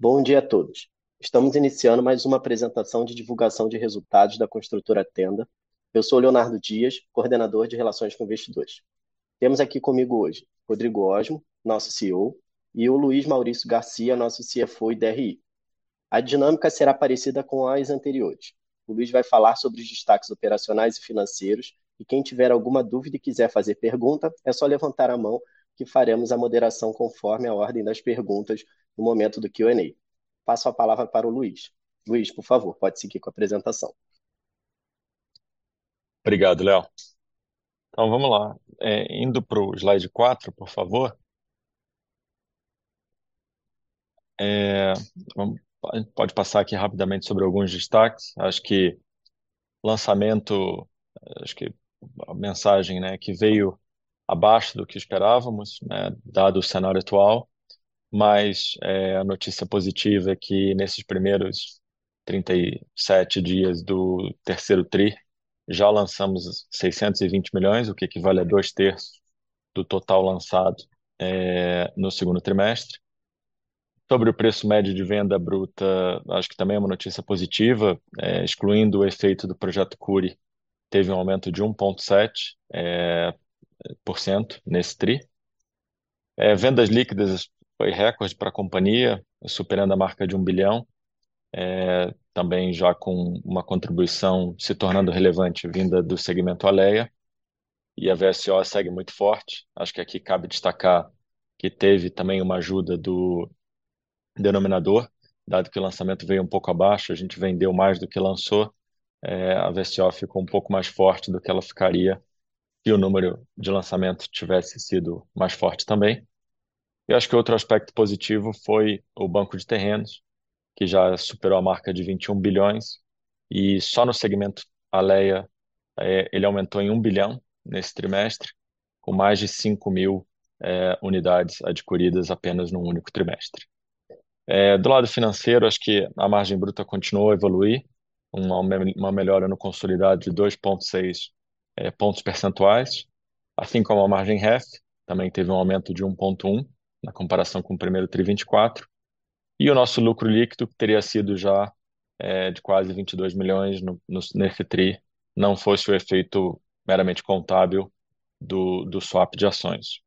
Bom dia a todos. Estamos iniciando mais uma apresentação de divulgação de resultados da Construtora Tenda. Eu sou o Leonardo Dias, coordenador de Relações com Investidores. Temos aqui conosco hoje Rodrigo Osmo, nosso CEO, e o Luiz Maurício Garcia, nosso CFO e DRI. A dinâmica será parecida com as anteriores. O Luiz vai falar sobre os destaques operacionais e financeiros, e quem tiver alguma dúvida e quiser fazer pergunta, é só levantar a mão que faremos a moderação conforme a ordem das perguntas no momento do Q&A. Passo a palavra para o Luiz. Luiz, por favor, pode seguir com a apresentação. Obrigado, Léo. Vamos lá. Indo pro slide 4, por favor. Pode passar aqui rapidamente sobre alguns destaques. Acho que lançamento, acho que a mensagem, né, que veio abaixo do que esperávamos, né, dado o cenário atual, mas a notícia positiva é que nesses primeiros 37 dias do terceiro tri, já lançamos 620 million, o que equivale a dois terços do total lançado no segundo trimestre. Sobre o preço médio de venda bruta, acho que também é uma notícia positiva, excluindo o efeito do projeto Cury, teve um aumento de 1.7% nesse tri. Vendas líquidas foi recorde pra companhia, superando a marca de 1 billion, também já com uma contribuição se tornando relevante vinda do segmento Alea, e a VSO segue muito forte. Acho que aqui cabe destacar que teve também uma ajuda do denominador, dado que o lançamento veio um pouco abaixo, a gente vendeu mais do que lançou, a VSO ficou um pouco mais forte do que ela ficaria se o número de lançamentos tivesse sido mais forte também. Eu acho que o outro aspecto positivo foi o banco de terrenos, que já superou a marca de 21 bilhões, e só no segmento Alea, ele aumentou em 1 bilhão nesse trimestre, com mais de 5,000 unidades adquiridas apenas num único trimestre. Do lado financeiro, acho que a margem bruta continuou a evoluir, uma melhora no consolidado de 2.6 pontos percentuais, assim como a margem REF também teve um aumento de 1.1 pontos percentuais na comparação com o primeiro tri 2024. O nosso lucro líquido, que teria sido já de quase 22 milhões nesse tri, não fosse o efeito meramente contábil do swap de ações.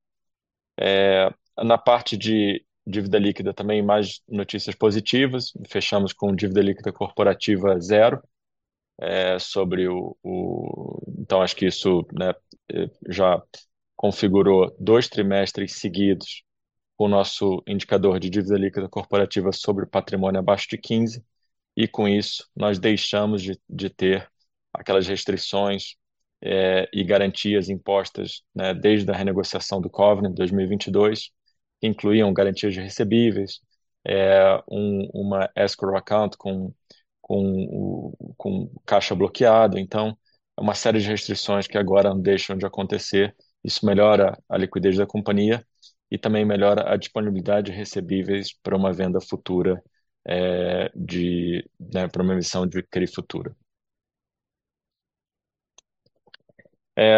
Na parte de dívida líquida também, mais notícias positivas. Fechamos com dívida líquida corporativa zero sobre o. Então acho que isso já configurou 2 trimestres seguidos o nosso indicador de dívida líquida corporativa sobre o patrimônio abaixo de 15, e com isso nós deixamos de ter aquelas restrições e garantias impostas desde a renegociação do covenant em 2022, que incluíam garantias de recebíveis, uma escrow account com caixa bloqueado. Então é uma série de restrições que agora deixam de acontecer. Isso melhora a liquidez da companhia e também melhora a disponibilidade de recebíveis pra uma venda futura de pra uma emissão de CRI futura.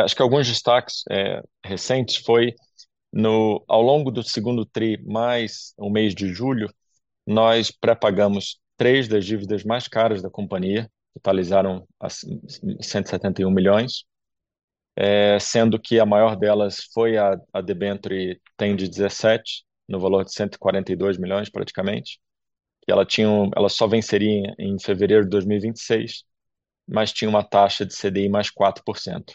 Acho que alguns destaques recentes ao longo do segundo tri, mais o mês de julho, nós pré-pagamos 3 das dívidas mais caras da companhia, totalizaram 171 million, sendo que a maior delas foi a debenture TEND17, no valor de 142 million, praticamente. Ela só venceria em fevereiro de 2026, mas tinha uma taxa de CDI + 4%.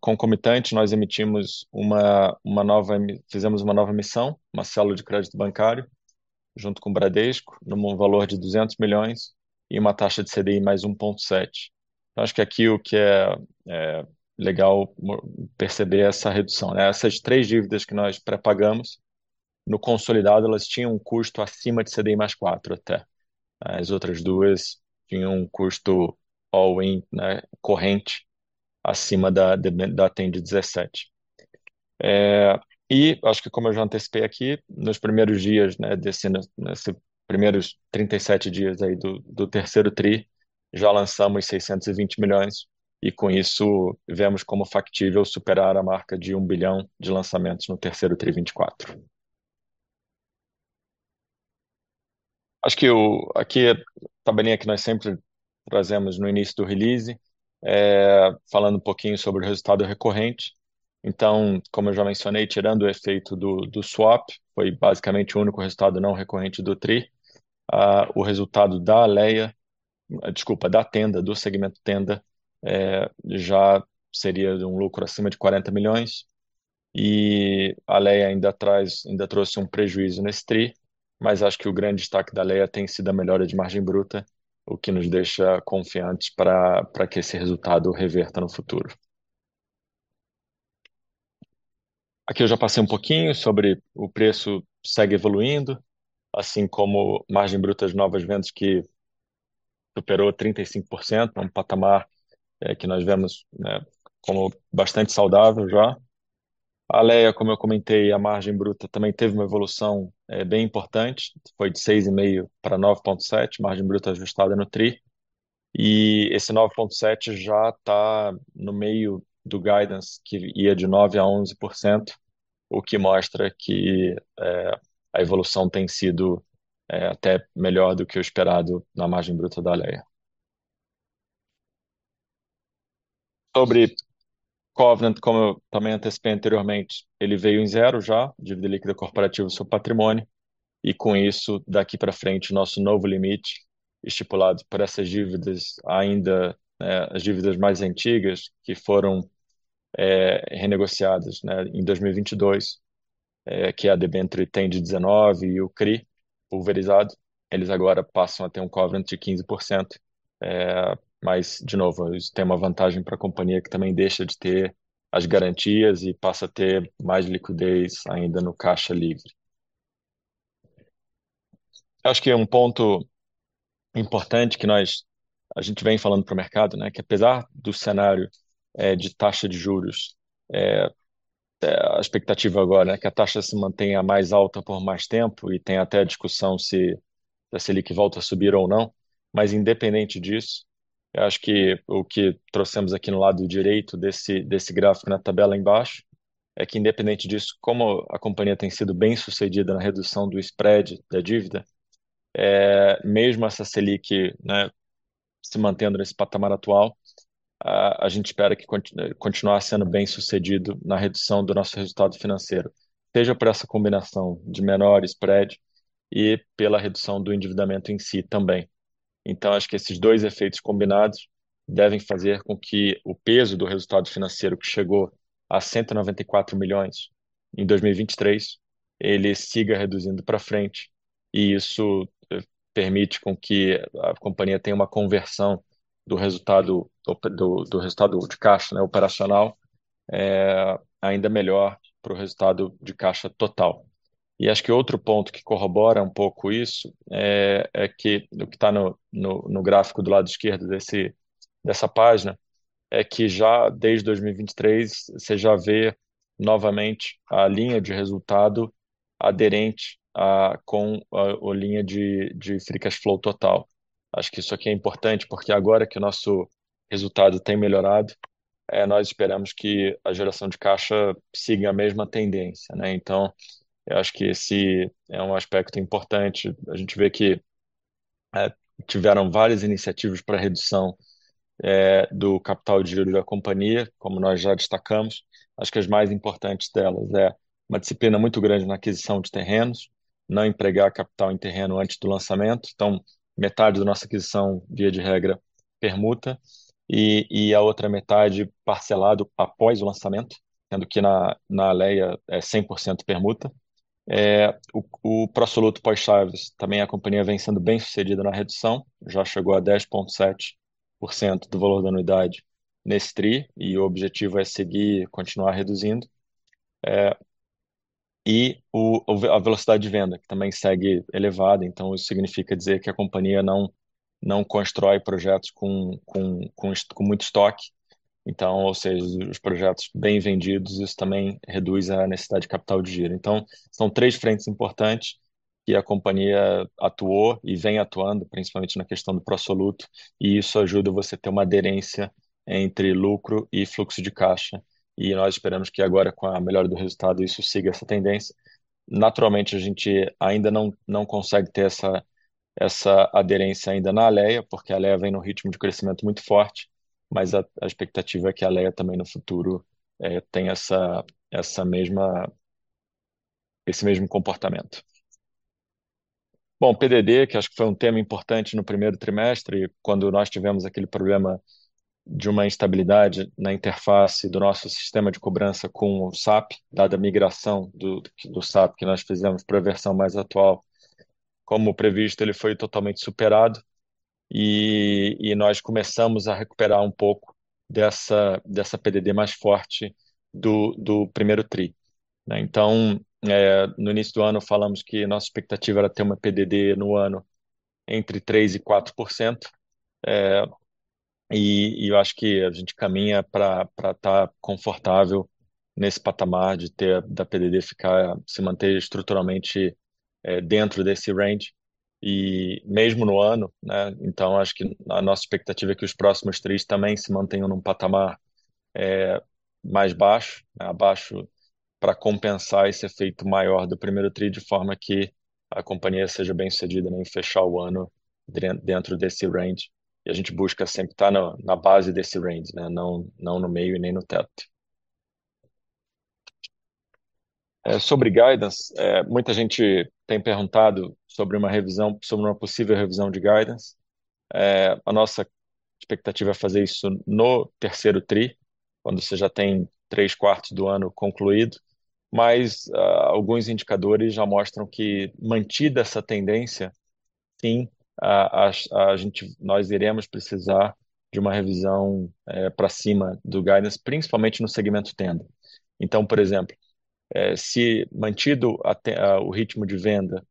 Concomitante, nós emitimos uma nova emissão, uma cédula de crédito bancário, junto com o Bradesco, num valor de 200 million e uma taxa de CDI + 1.7%. Acho que aqui o que é legal perceber essa redução, né. Essas três dívidas que nós pré-pagamos, no consolidado, elas tinham um custo acima de CDI + 4%, até. As outras duas tinham um custo all-in corrente acima da TEND17. Acho que como eu já antecipei aqui, nos primeiros dias, nesses primeiros 37 dias aí do terceiro tri, já lançamos 620 million e com isso vemos como factível superar a marca de 1 billion de lançamentos no terceiro tri 2024. Acho que aqui a tabelinha que nós sempre trazemos no início do release, falando um pouquinho sobre o resultado recorrente. Como eu já mencionei, tirando o efeito do swap, foi basicamente o único resultado não recorrente do tri. O resultado da Alea, desculpa, da Tenda, do segmento Tenda, já seria um lucro acima de 40 milhões e a Alea ainda trouxe um prejuízo nesse tri, mas acho que o grande destaque da Alea tem sido a melhora de margem bruta, o que nos deixa confiantes pra que esse resultado reverta no futuro. Aqui eu já passei um pouquinho sobre o preço, segue evoluindo, assim como margem bruta de novas vendas que superou 35%, é um patamar que nós vemos, né, como bastante saudável já. A Alea, como eu comentei, a margem bruta também teve uma evolução bem importante, foi de 6.5 pra 9.7, margem bruta ajustada no 3T. Esse 9.7 já tá no meio do guidance, que ia de 9%-11%, o que mostra que a evolução tem sido até melhor do que o esperado na margem bruta da Alea. Sobre covenant, como eu também antecipei anteriormente, ele veio em 0 já, dívida líquida corporativa e seu patrimônio. Com isso, daqui pra frente, nosso novo limite estipulado pra essas dívidas ainda as dívidas mais antigas que foram renegociadas em 2022 que a debênture TEND19 e o CRI pulverizado, eles agora passam a ter um covenant de 15%. De novo, isso tem uma vantagem pra companhia, que também deixa de ter as garantias e passa a ter mais liquidez ainda no caixa livre. Acho que é um ponto importante que a gente vem falando pro mercado, né, que apesar do cenário de taxa de juros, a expectativa agora é que a taxa se mantenha mais alta por mais tempo e tem até a discussão se a Selic volta a subir ou não. Independente disso, eu acho que o que trouxemos aqui no lado direito desse gráfico, na tabela embaixo, é que independente disso, como a companhia tem sido bem-sucedida na redução do spread da dívida, mesmo essa Selic, né, se mantendo nesse patamar atual, a gente espera que continuasse sendo bem-sucedido na redução do nosso resultado financeiro, seja por essa combinação de menor spread e pela redução do endividamento em si também. Acho que esses dois efeitos combinados devem fazer com que o peso do resultado financeiro, que chegou a 194 million em 2023, ele siga reduzindo pra frente e isso permite com que a companhia tenha uma conversão do resultado do resultado de caixa, né, operacional, ainda melhor pro resultado de caixa total. Acho que outro ponto que corrobora um pouco isso é que o que tá no gráfico do lado esquerdo dessa página é que já desde 2023 você já vê novamente a linha de resultado aderente à linha de free cash flow total. Acho que isso aqui é importante porque agora que o nosso resultado tem melhorado nós esperamos que a geração de caixa siga a mesma tendência, né. Eu acho que esse é um aspecto importante. A gente vê que tiveram várias iniciativas pra redução do capital de giro da companhia, como nós já destacamos. Acho que as mais importantes delas é uma disciplina muito grande na aquisição de terrenos, não empregar capital em terreno antes do lançamento. Metade da nossa aquisição, via de regra, permuta e a outra metade parcelado após o lançamento, sendo que na Alea é 100% permuta. O pró-soluto pós-chaves também a companhia vem sendo bem-sucedida na redução, já chegou a 10.7% do valor da unidade nesse trimestre e o objetivo é seguir, continuar reduzindo. A velocidade de venda, que também segue elevada. Isso significa dizer que a companhia não constrói projetos com muito estoque. Ou seja, os projetos bem vendidos, isso também reduz a necessidade de capital de giro. São três frentes importantes que a companhia atuou e vem atuando, principalmente na questão do pró-soluto, e isso ajuda você ter uma aderência entre lucro e fluxo de caixa. Nós esperamos que agora, com a melhora do resultado, isso siga essa tendência. Naturalmente, a gente ainda não consegue ter essa aderência ainda na Alea, porque a Alea vem num ritmo de crescimento muito forte, mas a expectativa é que a Alea também, no futuro, tenha esse mesmo comportamento. Bom, PDD, que acho que foi um tema importante no primeiro trimestre, quando nós tivemos aquele problema de uma instabilidade na interface do nosso sistema de cobrança com o SAP, dada a migração do SAP que nós fizemos pra versão mais atual. Como previsto, ele foi totalmente superado e nós começamos a recuperar um pouco dessa PDD mais forte do primeiro tri, né. No início do ano falamos que nossa expectativa era ter uma PDD no ano entre 3%-4%, e eu acho que a gente caminha pra tá confortável nesse patamar de ter a PDD se manter estruturalmente dentro desse range e mesmo no ano. Acho que a nossa expectativa é que os próximos tris também se mantenham num patamar mais baixo para compensar esse efeito maior do primeiro tri, de forma que a companhia seja bem-sucedida em fechar o ano dentro desse range. A gente busca sempre tá na base desse range, não no meio e nem no teto. Sobre guidance, muita gente tem perguntado sobre uma possível revisão de guidance. A nossa expectativa é fazer isso no terceiro tri, quando você já tem três quartos do ano concluído. Alguns indicadores já mostram que, mantida essa tendência, sim, nós iremos precisar de uma revisão pra cima do guidance, principalmente no segmento Tenda. Por exemplo, se mantido o ritmo de venda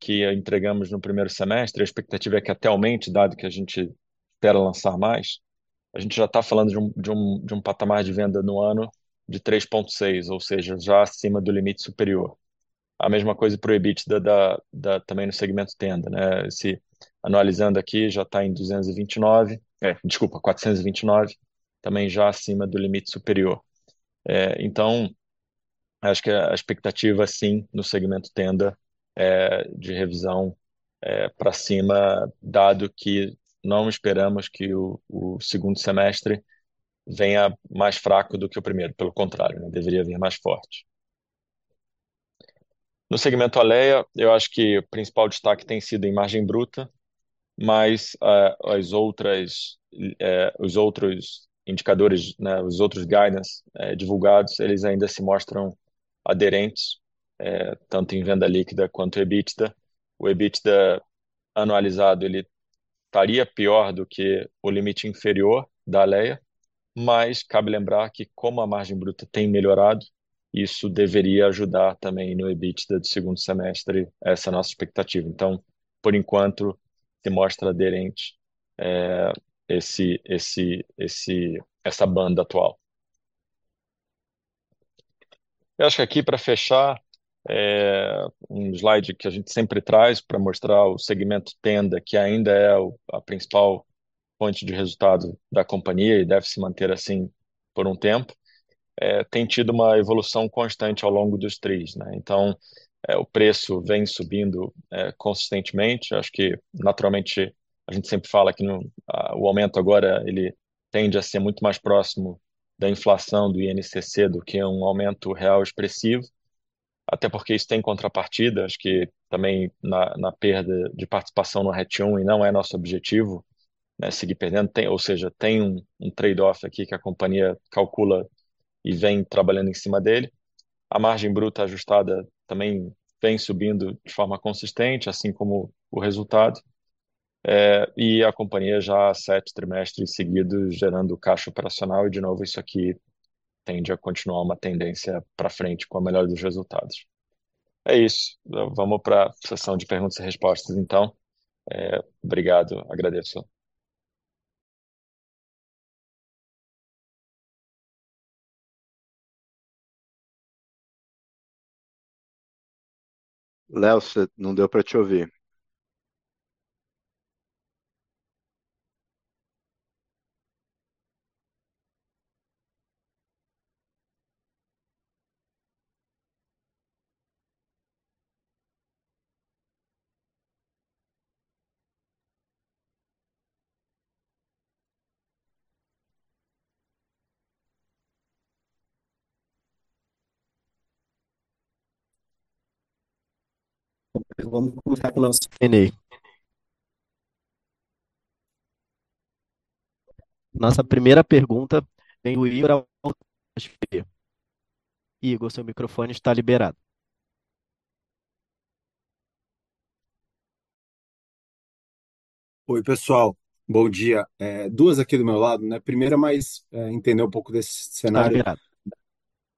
que entregamos no primeiro semestre, a expectativa é que até aumente, dado que a gente espera lançar mais, a gente já tá falando de um patamar de venda no ano de 3.6, ou seja, já acima do limite superior. A mesma coisa pro EBITDA da, também no segmento Tenda, né? Analisando aqui, já tá em 429, também já acima do limite superior. Acho que a expectativa, sim, no segmento Tenda, é de revisão pra cima, dado que não esperamos que o segundo semestre venha mais fraco do que o primeiro. Pelo contrário, né, deveria vir mais forte. No segmento Alea, eu acho que o principal destaque tem sido em margem bruta, mas as outras, os outros indicadores, os outros guidances divulgados, eles ainda se mostram aderentes tanto em venda líquida quanto EBITDA. O EBITDA anualizado, ele estaria pior do que o limite inferior da Alea, mas cabe lembrar que como a margem bruta tem melhorado, isso deveria ajudar também no EBITDA do segundo semestre essa nossa expectativa. Por enquanto, se mostra aderente essa banda atual. Eu acho que aqui pra fechar um slide que a gente sempre traz pra mostrar o segmento Tenda, que ainda é a principal fonte de resultado da companhia e deve se manter assim por um tempo, tem tido uma evolução constante ao longo dos trimestres. O preço vem subindo consistentemente. Acho que, naturalmente, a gente sempre fala que o aumento agora ele tende a ser muito mais próximo da inflação do INCC do que um aumento real expressivo, até porque isso tem contrapartida, acho que também na perda de participação no RET1, e não é nosso objetivo, né, seguir perdendo. Ou seja, tem um trade-off aqui que a companhia calcula e vem trabalhando em cima dele. A margem bruta ajustada também vem subindo de forma consistente, assim como o resultado. A companhia já há 7 trimestres seguidos gerando caixa operacional e de novo, isso aqui tende a continuar uma tendência pra frente com a melhora dos resultados. É isso. Vamos pra sessão de perguntas e respostas então. Obrigado. Agradeço. Leonardo, cê não deu pra te ouvir. Vamos começar com o nosso PNEI. Nossa primeira pergunta vem o Igor. Igor, seu microfone está liberado. Oi, pessoal. Bom dia. Duas aqui do meu lado, né? A primeira é mais entender um pouco desse cenário.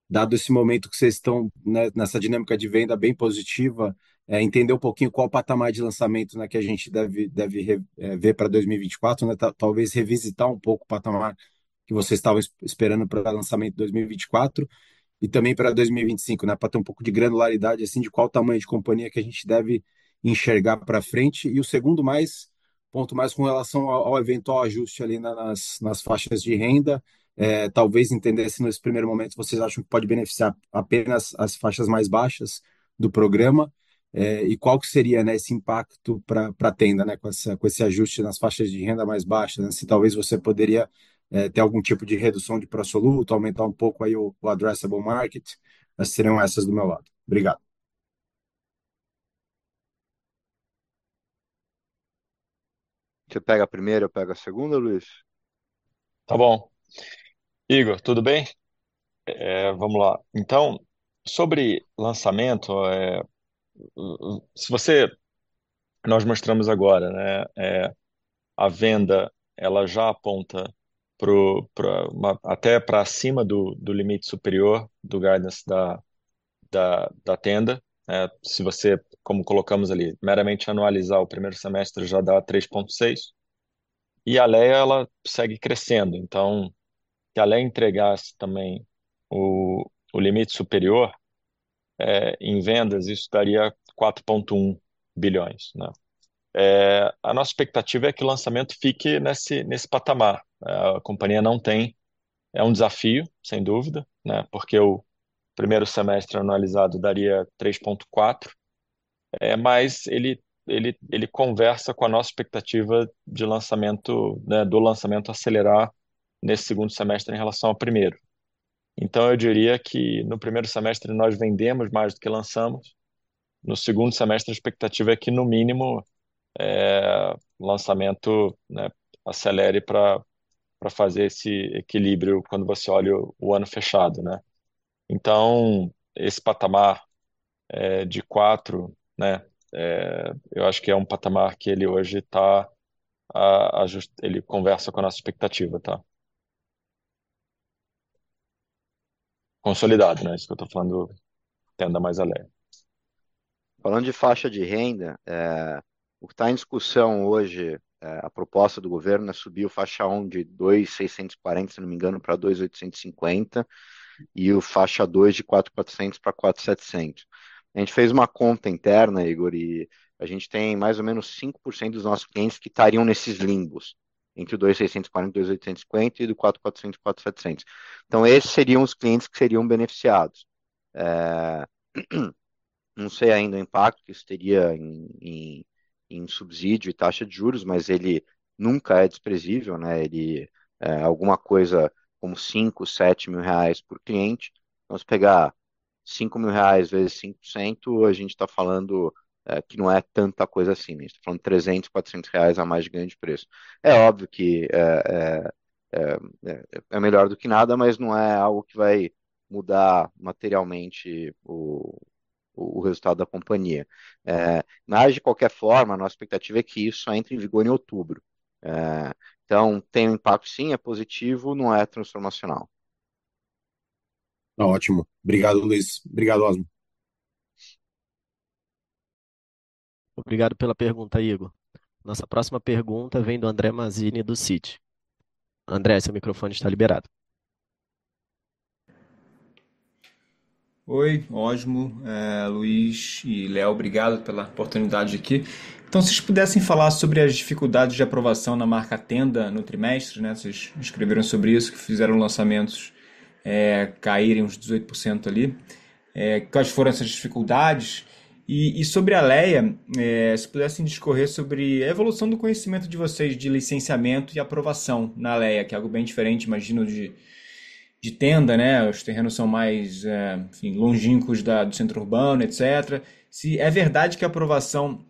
Dado esse momento que cês tão, né, nessa dinâmica de venda bem positiva, entender um pouquinho qual o patamar de lançamento, né, que a gente deve ver pra 2024, né? Talvez revisitar um pouco o patamar que você estava esperando pra lançamento de 2024 e também pra 2025, né? Pra ter um pouco de granularidade, assim, de qual o tamanho de companhia que a gente deve enxergar pra frente. O segundo mais, ponto mais com relação ao eventual ajuste ali nas faixas de renda, talvez entender se nesse primeiro momento vocês acham que pode beneficiar apenas as faixas mais baixas do programa, e qual que seria, né, esse impacto pra Tenda, né? Com esse ajuste nas faixas de renda mais baixa, né? Se talvez você poderia ter algum tipo de redução de preço absoluto, aumentar um pouco aí o addressable market. Seriam essas do meu lado. Obrigado. Você pega a primeira, eu pego a segunda, Luiz? Tá bom. Igor, tudo bem? Vamo lá. Sobre lançamento, nós mostramos agora, né, a venda ela já aponta pro, pra até pra cima do limite superior do guidance da Tenda, né? Se você, como colocamos ali, meramente anualizar o primeiro semestre já dá 3.6 e a Alea ela segue crescendo. Que Alea entregasse também o limite superior, em vendas, isso daria 4.1 bilhões, né? A nossa expectativa é que o lançamento fique nesse patamar. A companhia não tem. É um desafio, sem dúvida, né? Porque o primeiro semestre anualizado daria 3.4, mas ele conversa com a nossa expectativa de lançamento, né, do lançamento acelerar nesse segundo semestre em relação ao primeiro. Eu diria que no primeiro semestre nós vendemos mais do que lançamos. No segundo semestre, a expectativa é que, no mínimo, o lançamento acelere para fazer esse equilíbrio quando você olha o ano fechado, né? Então, esse patamar de 4, né, eu acho que é um patamar que ele hoje tá, ele conversa com a nossa expectativa, tá? Consolidado, né, isso que eu tô falando Tenda mais Alea. Falando de faixa de renda, o que tá em discussão hoje, a proposta do governo é subir o Faixa 1 de 2,640, se eu não me engano, para 2,850, e o Faixa 2 de 4,400 para 4,700. A gente fez uma conta interna, Igor, e a gente tem mais ou menos 5% dos nossos clientes que estariam nesses limbos, entre 2,640, 2,850 e 4,400, 4,700. Esses seriam os clientes que seriam beneficiados. Não sei ainda o impacto que isso teria em subsídio e taxa de juros, mas ele nunca é desprezível, né, ele é alguma coisa como 5,000-7,000 reais por cliente. Se pegar 5,000 reais × 5%, a gente tá falando que não é tanta coisa assim, a gente tá falando 300-400 reais a mais de grande preço. É óbvio que é melhor do que nada, mas não é algo que vai mudar materialmente o resultado da companhia. De qualquer forma, nossa expectativa é que isso só entre em vigor em outubro. Tem um impacto sim, é positivo, não é transformacional. Tá ótimo. Obrigado, Luiz. Obrigado, Osmo. Obrigado pela pergunta, Igor. Nossa próxima pergunta vem do André Mazzini, do Citi. André, seu microfone está liberado. Oi, Osmo, Luiz e Léo, obrigado pela oportunidade aqui. Então se vocês pudessem falar sobre as dificuldades de aprovação na marca Tenda no trimestre, né, vocês escreveram sobre isso, que fizeram lançamentos, caírem uns 18% ali. Quais foram essas dificuldades? E sobre a Alea, se pudessem discorrer sobre a evolução do conhecimento de vocês de licenciamento e aprovação na Alea, que é algo bem diferente, imagino, de Tenda, né? Os terrenos são mais, enfim, longínquos do centro urbano, etcétera. Se é verdade que a aprovação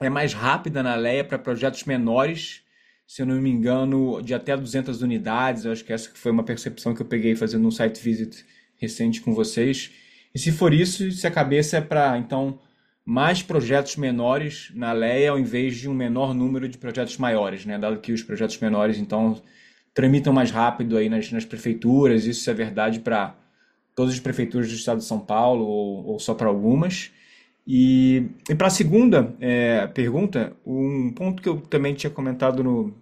é mais rápida na Alea pra projetos menores, se eu não me engano, de até 200 unidades, eu acho que essa foi uma percepção que eu peguei fazendo um site visit recente com vocês. Se for isso, se a cabeça é pra então mais projetos menores na Alea, ao invés de um menor número de projetos maiores, né? Dado que os projetos menores então tramitam mais rápido aí nas prefeituras, isso se é verdade pra todas as prefeituras do estado de São Paulo ou só pra algumas. Pra segunda pergunta, um ponto que eu também tinha comentado no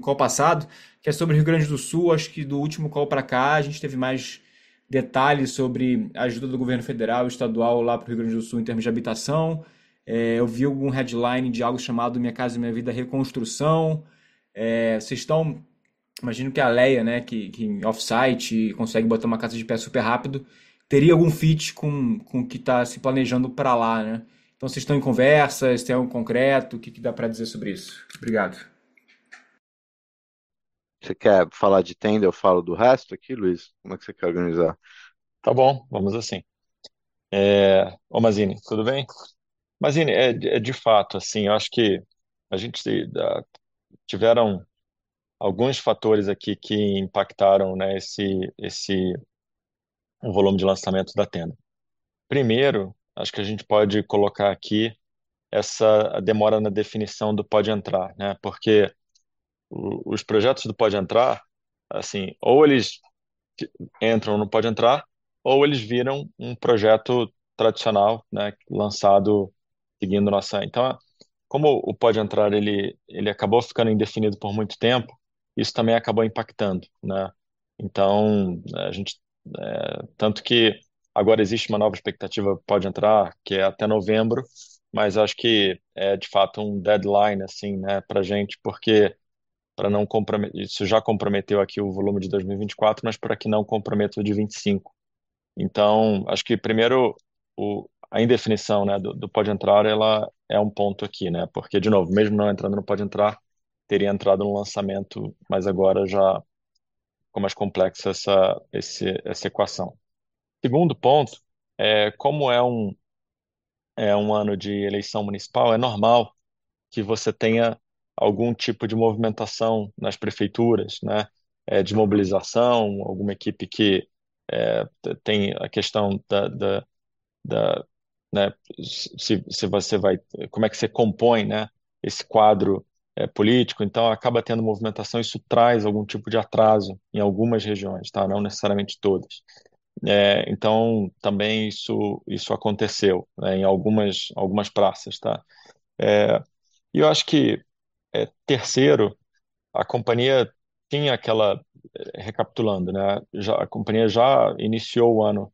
call passado, que é sobre Rio Grande do Sul, acho que do último call pra cá, a gente teve mais detalhes sobre a ajuda do governo federal e estadual lá pro Rio Grande do Sul em termos de habitação. Eu vi algum headline de algo chamado Minha Casa, Minha Vida Reconstrução. Imagino que a Alea, né, que em off-site consegue botar uma casa de pé super-rápido, teria algum fit com o que tá se planejando pra lá, né? Cês tão em conversa, se tem algo concreto, o que dá pra dizer sobre isso? Obrigado. Cê quer falar de Tenda e eu falo do resto aqui, Luiz? Como é que cê quer organizar? Tá bom, vamos assim. Ô Mazini, tudo bem? Mazini, de fato, eu acho que a gente tiveram alguns fatores aqui que impactaram, né, esse volume de lançamentos da Tenda. Primeiro, acho que a gente pode colocar aqui essa demora na definição do Pode Entrar, né? Porque os projetos do Pode Entrar, ou eles entram no Pode Entrar, ou eles viram um projeto tradicional, né, lançado então, como o Pode Entrar ele acabou ficando indefinido por muito tempo, isso também acabou impactando, né? Então, a gente, tanto que agora existe uma nova expectativa Pode Entrar, que é até novembro, mas acho que é de fato um deadline, né, pra gente, porque pra não isso já comprometeu aqui o volume de 2024, mas pra que não comprometa o de 2025. Acho que primeiro a indefinição, né, do Pode Entrar ela é um ponto aqui, né? Porque de novo, mesmo não entrando no Pode Entrar, teria entrado no lançamento, mas agora já ficou mais complexa essa equação. Segundo ponto, como é um ano de eleição municipal, é normal que você tenha algum tipo de movimentação nas prefeituras, né? De mobilização, alguma equipe que tem a questão da, né, se você vai como é que cê compõe, né, esse quadro político. Acaba tendo movimentação, isso traz algum tipo de atraso em algumas regiões, tá? Não necessariamente todas. Então também isso aconteceu, né, em algumas praças, tá? Eu acho que terceiro, a companhia tinha aquela recapitulando, né, a companhia já iniciou o ano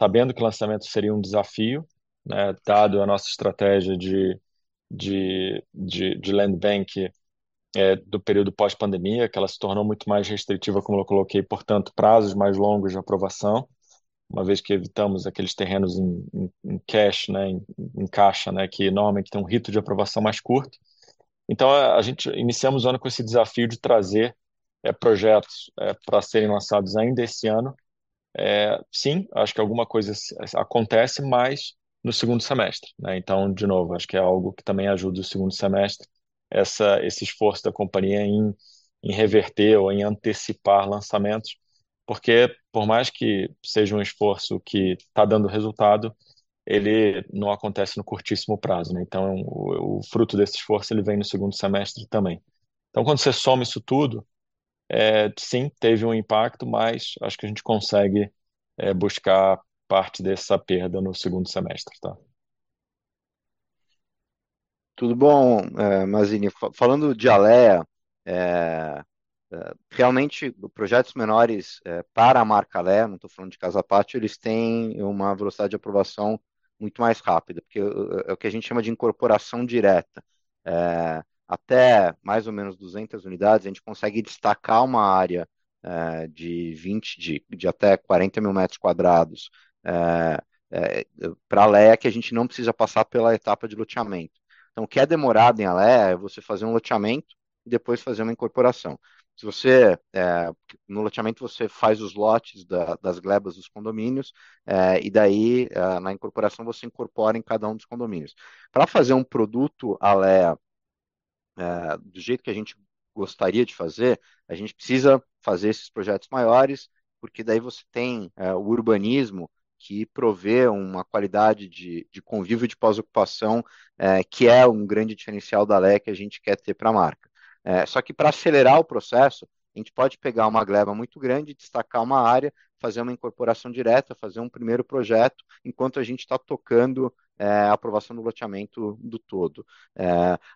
sabendo que lançamento seria um desafio, né, dado a nossa estratégia de land bank do período pós-pandemia, que ela se tornou muito mais restritiva, como eu coloquei, portanto, prazos mais longos de aprovação, uma vez que evitamos aqueles terrenos em cash, né, em caixa, né, que normalmente têm um prazo de aprovação mais curto. Então a gente iniciamos o ano com esse desafio de trazer projetos pra serem lançados ainda esse ano. Sim, acho que alguma coisa acontece, mas no segundo semestre, né? De novo, acho que é algo que também ajuda o segundo semestre, esse esforço da companhia em reverter ou em antecipar lançamentos, porque por mais que seja um esforço que tá dando resultado, ele não acontece no curtíssimo prazo, né? O fruto desse esforço ele vem no segundo semestre também. Quando cê soma isso tudo, sim, teve um impacto, mas acho que a gente consegue buscar parte dessa perda no segundo semestre, tá? Tudo bom, Mazzini. Falando de Alea, realmente projetos menores para a marca Alea, não tô falando de Casapatio, eles têm uma velocidade de aprovação muito mais rápida, porque é o que a gente chama de incorporação direta. Até mais ou menos 200 unidades, a gente consegue destacar uma área de 20,000-40,000 metros quadrados, para Alea que a gente não precisa passar pela etapa de loteamento. O que é demorado em Alea é você fazer um loteamento e depois fazer uma incorporação. No loteamento você faz os lotes das glebas dos condomínios, e daí na incorporação você incorpora em cada um dos condomínios. Para fazer um produto Alea, do jeito que a gente gostaria de fazer, a gente precisa fazer esses projetos maiores, porque daí você tem o urbanismo que provê uma qualidade de convívio de pós-ocupação, que é um grande diferencial da Alea que a gente quer ter pra marca. Só que pra acelerar o processo, a gente pode pegar uma gleba muito grande, destacar uma área, fazer uma incorporação direta, fazer um primeiro projeto enquanto a gente tá tocando a aprovação do loteamento do todo.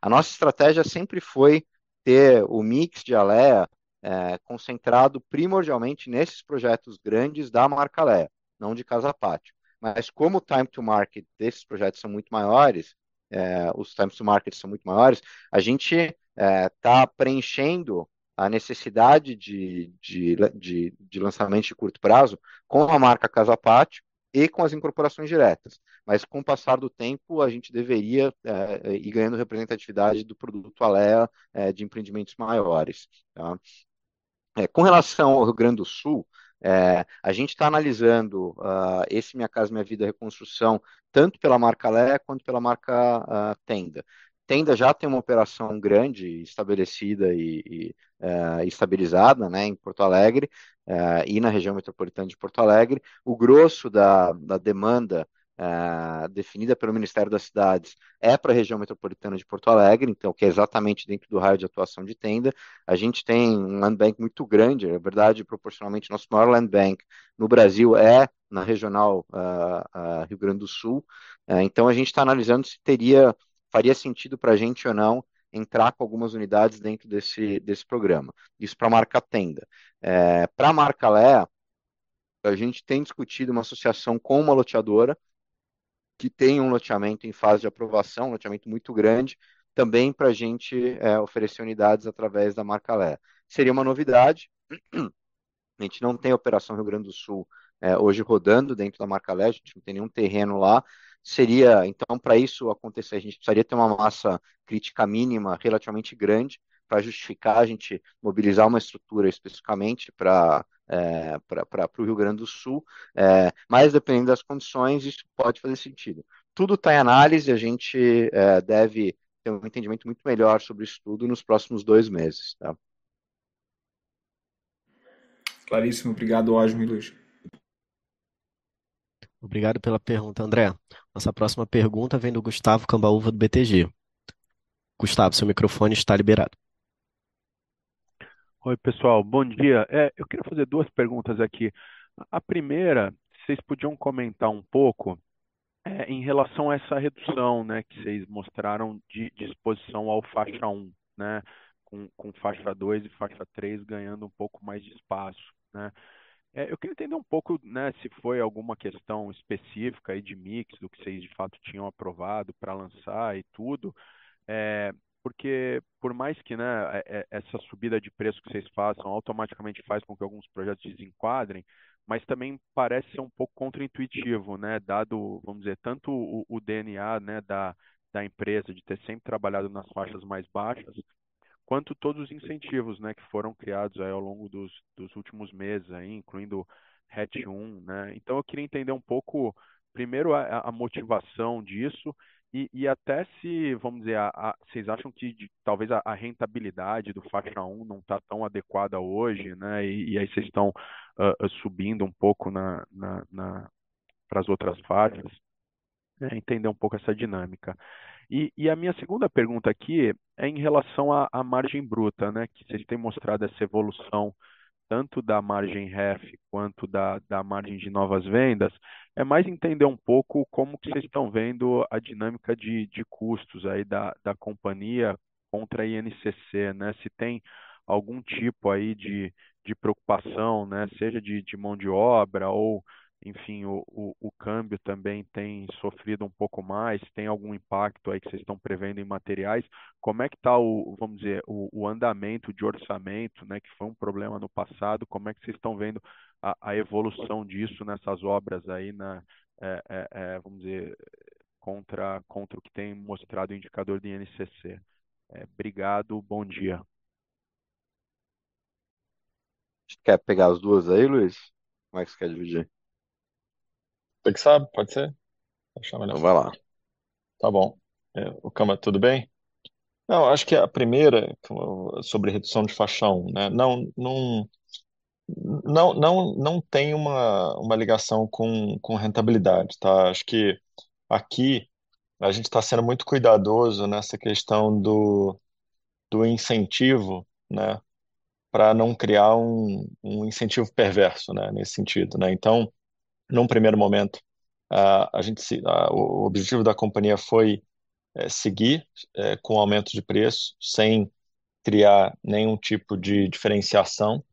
A nossa estratégia sempre foi ter o mix de Alea concentrado primordialmente nesses projetos grandes da marca Alea, não de Casapatio. Como o time to market desses projetos são muito maiores, os times to market são muito maiores, a gente está preenchendo a necessidade de lançamentos de curto prazo com a marca Casapatio e com as incorporações diretas. Com o passar do tempo, a gente deveria ir ganhando representatividade do produto Alea de empreendimentos maiores. Com relação ao Rio Grande do Sul, a gente está analisando esse Minha Casa, Minha Vida Reconstrução tanto pela marca Alea quanto pela marca Tenda. Tenda já tem uma operação grande estabelecida e estabilizada em Porto Alegre e na região metropolitana de Porto Alegre. O grosso da demanda definida pelo Ministério das Cidades é pra região metropolitana de Porto Alegre, então que é exatamente dentro do raio de atuação de Tenda. A gente tem um land bank muito grande, na verdade, proporcionalmente nosso maior land bank no Brasil é na regional Rio Grande do Sul. Então a gente tá analisando se faria sentido pra gente ou não entrar com algumas unidades dentro desse programa. Isso pra marca Tenda. Pra marca Alea, a gente tem discutido uma associação com uma loteadora que tem um loteamento em fase de aprovação, loteamento muito grande, também pra gente oferecer unidades através da marca Alea. Seria uma novidade. A gente não tem operação Rio Grande do Sul hoje rodando dentro da marca Alea, a gente não tem nenhum terreno lá. Então pra isso acontecer, a gente precisaria ter uma massa crítica mínima relativamente grande pra justificar a gente mobilizar uma estrutura especificamente pra pro Rio Grande do Sul. Dependendo das condições, isso pode fazer sentido. Tudo tá em análise, a gente deve ter um entendimento muito melhor sobre isso tudo nos próximos dois meses, tá? Claríssimo. Obrigado. Ótimo, Luiz. Obrigado pela pergunta, André. Nossa próxima pergunta vem do Gustavo Cambauva, do BTG. Gustavo, seu microfone está liberado. Oi, pessoal, bom dia. Eu queria fazer duas perguntas aqui. A primeira, se vocês podiam comentar um pouco em relação a essa redução, né, que vocês mostraram de disposição ao Faixa 1, né? Com Faixa 2 e Faixa 3 ganhando um pouco mais de espaço, né? Eu queria entender um pouco, né, se foi alguma questão específica aí de mix do que vocês de fato tinham aprovado para lançar e tudo. Porque por mais que, né, essa subida de preço que vocês façam automaticamente faz com que alguns projetos desenquadrem, mas também parece ser um pouco contraintuitivo, né, dado, vamos dizer, tanto o DNA, né, da empresa de ter sempre trabalhado nas faixas mais baixas, quanto todos os incentivos, né, que foram criados aí ao longo dos últimos meses aí, incluindo RET 1, né? Eu queria entender um pouco primeiro a motivação disso e até se, vamos dizer, cês acham que talvez a rentabilidade do Faixa 1 não tá tão adequada hoje, né? Aí cês tão subindo um pouco nas outras Faixas. Entender um pouco essa dinâmica. A minha segunda pergunta aqui é em relação à margem bruta, né, que cês têm mostrado essa evolução tanto da margem REF quanto da margem de novas vendas. É mais entender um pouco como que cês tão vendo a dinâmica de custos aí da companhia contra INCC, né? Se tem algum tipo aí de preocupação, né, seja de mão de obra ou, enfim, o câmbio também tem sofrido um pouco mais, se tem algum impacto aí que cês tão prevendo em materiais. Como é que tá o, vamos dizer, o andamento de orçamento, né, que foi um problema no passado, como é que cês tão vendo a evolução disso nessas obras aí na, vamos dizer, contra o que tem mostrado o indicador de INCC? Obrigado, bom dia. A gente quer pegar as duas aí, Luiz? Como é que cê quer dividir? Você que sabe, pode ser. Acho melhor. Vai lá. Tá bom. Ô Gustavo Cambauva, tudo bem? Não, acho que a primeira, sobre redução de Faixa 1, não tem uma ligação com rentabilidade. Acho que aqui a gente tá sendo muito cuidadoso nessa questão do incentivo pra não criar um incentivo perverso nesse sentido. Então, num primeiro momento, o objetivo da companhia é seguir com aumento de preço, sem criar nenhum tipo de diferenciação.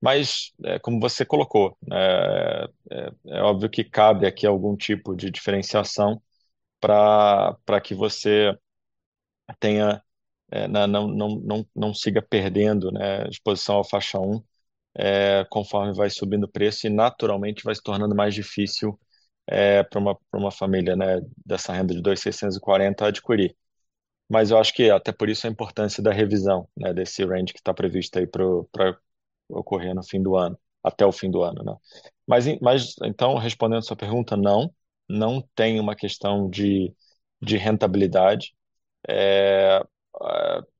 Mas, como você colocou, é óbvio que cabe aqui algum tipo de diferenciação pra que você tenha não siga perdendo de posição à Faixa 1, conforme vai subindo o preço e naturalmente vai se tornando mais difícil pra uma família dessa renda de 2,640 adquirir. Eu acho que até por isso a importância da revisão, né, desse range que tá previsto aí pra ocorrer no fim do ano, até o fim do ano, né. Então respondendo sua pergunta, não tem uma questão de rentabilidade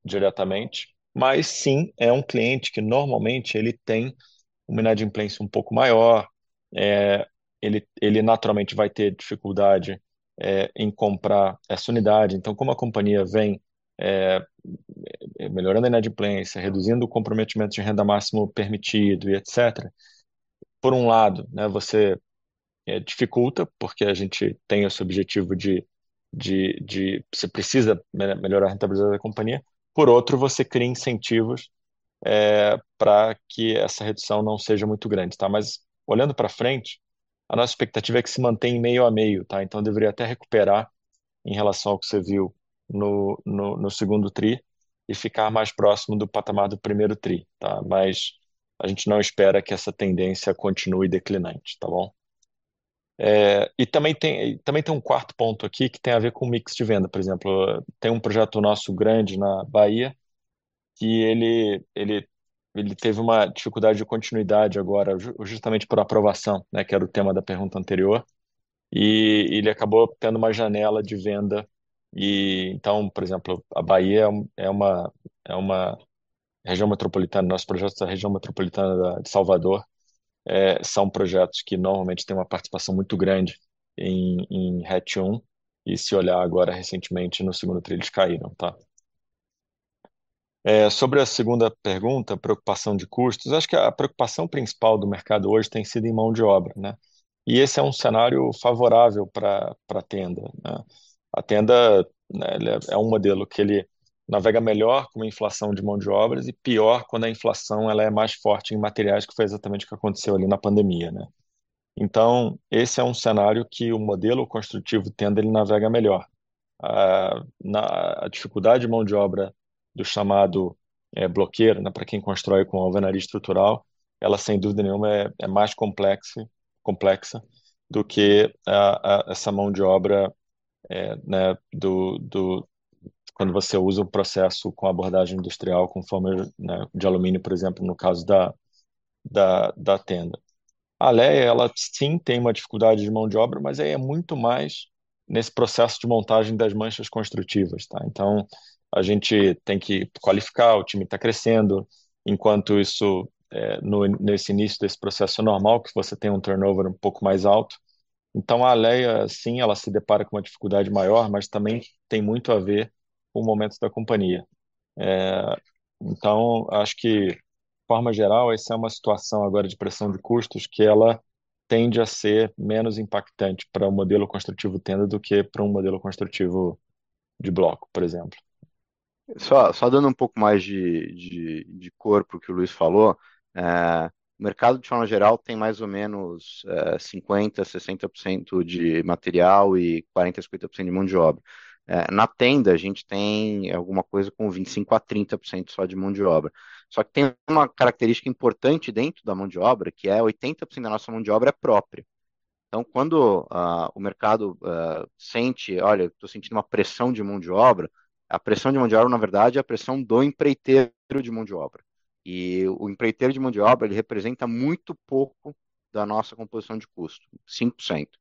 diretamente, mas sim, é um cliente que normalmente ele tem uma inadimplência um pouco maior, ele naturalmente vai ter dificuldade em comprar essa unidade. Então como a companhia vem melhorando a inadimplência, reduzindo o comprometimento de renda máximo permitido e etc. Por um lado, né, você dificulta, porque a gente tem esse objetivo de você precisa melhorar a rentabilidade da companhia. Por outro, você cria incentivos pra que essa redução não seja muito grande, tá? Olhando pra frente, a nossa expectativa é que se mantenha em meio a meio, tá? Deveria até recuperar em relação ao que você viu no segundo tri e ficar mais próximo do patamar do primeiro tri, tá? A gente não espera que essa tendência continue declinante, tá bom? Também tem um quarto ponto aqui que tem a ver com o mix de venda. Por exemplo, tem um projeto nosso grande na Bahia, que ele teve uma dificuldade de continuidade agora justamente por aprovação, né, que era o tema da pergunta anterior, e ele acabou tendo uma janela de venda. Então, por exemplo, a Bahia é uma região metropolitana, nossos projetos da região metropolitana de Salvador são projetos que normalmente têm uma participação muito grande em RET1, e se olhar agora recentemente no segundo tri, eles caíram, tá? Sobre a segunda pergunta, preocupação de custos, acho que a preocupação principal do mercado hoje tem sido em mão de obra, né? Esse é um cenário favorável pra Tenda, né. A Tenda, né, ela é um modelo que ele navega melhor com inflação de mão de obras e pior quando a inflação ela é mais forte em materiais, que foi exatamente o que aconteceu ali na pandemia, né. Esse é um cenário que o modelo construtivo Tenda ele navega melhor. A dificuldade de mão de obra do chamado bloqueiro, né, pra quem constrói com alvenaria estrutural, ela sem dúvida nenhuma é mais complexa do que a essa mão de obra quando você usa o processo com abordagem industrial, com forma de alumínio, por exemplo, no caso da Tenda. Alea, ela sim, tem uma dificuldade de mão de obra, mas aí é muito mais nesse processo de montagem das peças construtivas, tá? A gente tem que qualificar, o time tá crescendo, enquanto isso, nesse início desse processo é normal que você tenha um turnover um pouco mais alto. Alea, sim, ela se depara com uma dificuldade maior, mas também tem muito a ver com o momento da companhia. Acho que, de forma geral, essa é uma situação agora de pressão de custos que ela tende a ser menos impactante pra o modelo construtivo Tenda do que pra um modelo construtivo de bloco, por exemplo. Só dando um pouco mais de corpo pro que o Luiz falou. O mercado, de forma geral, tem mais ou menos 50-60% de material e 40-50% de mão de obra. Na Tenda, a gente tem alguma coisa com 25-30% só de mão de obra. Tem uma característica importante dentro da mão de obra, que é 80% da nossa mão de obra é própria. Quando o mercado sente "Olha, eu tô sentindo uma pressão de mão de obra", a pressão de mão de obra, na verdade, é a pressão do empreiteiro de mão de obra. O empreiteiro de mão de obra ele representa muito pouco da nossa composição de custo, 5%.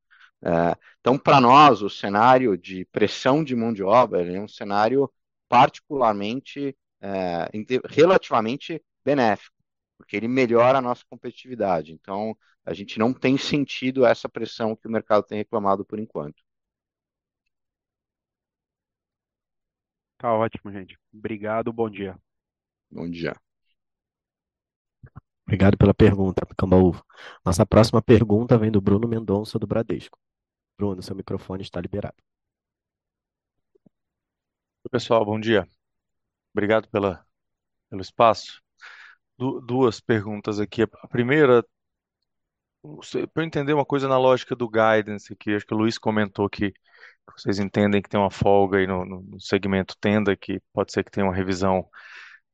Pra nós, o cenário de pressão de mão de obra, ele é um cenário particularmente, relativamente benéfico, porque ele melhora a nossa competitividade. A gente não tem sentido essa pressão que o mercado tem reclamado por enquanto. Tá ótimo, gente. Obrigado, bom dia. Bom dia. Obrigado pela pergunta, Cambauva. Nossa próxima pergunta vem do Bruno Mendonça, do Bradesco. Bruno, seu microfone está liberado. Oi, pessoal, bom dia. Obrigado pelo espaço. Duas perguntas aqui. A primeira, pra eu entender uma coisa na lógica do guidance, que acho que o Luiz comentou que vocês entendem que tem uma folga aí no segmento Tenda, que pode ser que tenha uma revisão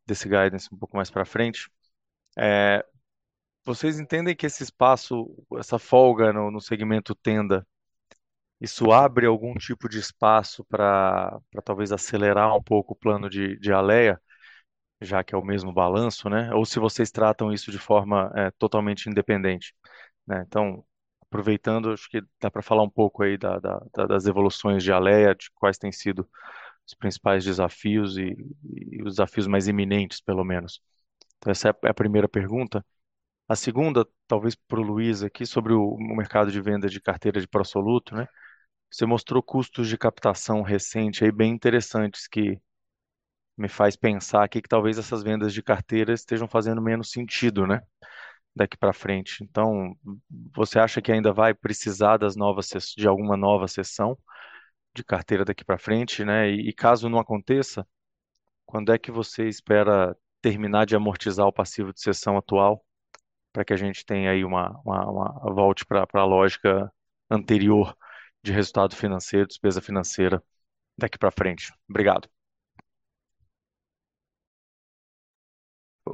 desse guidance um pouco mais pra frente. Vocês entendem que esse espaço, essa folga no segmento Tenda, isso abre algum tipo de espaço pra talvez acelerar um pouco o plano de Alea, já que é o mesmo balanço, né? Ou se vocês tratam isso de forma totalmente independente, né? Aproveitando, acho que dá pra falar um pouco aí das evoluções de Alea, de quais têm sido os principais desafios e os desafios mais iminentes, pelo menos. Essa é a primeira pergunta. A segunda, talvez pro Luiz aqui, sobre o mercado de venda de carteira de Pró-soluto, né. Você mostrou custos de captação recente aí bem interessantes que me faz pensar que talvez essas vendas de carteira estejam fazendo menos sentido, né, daqui pra frente. Então você acha que ainda vai precisar de alguma nova cessão de carteira daqui pra frente, né? E caso não aconteça, quando é que você espera terminar de amortizar o passivo de cessão atual pra que a gente tenha aí volte pra lógica anterior de resultado financeiro, despesa financeira daqui pra frente? Obrigado.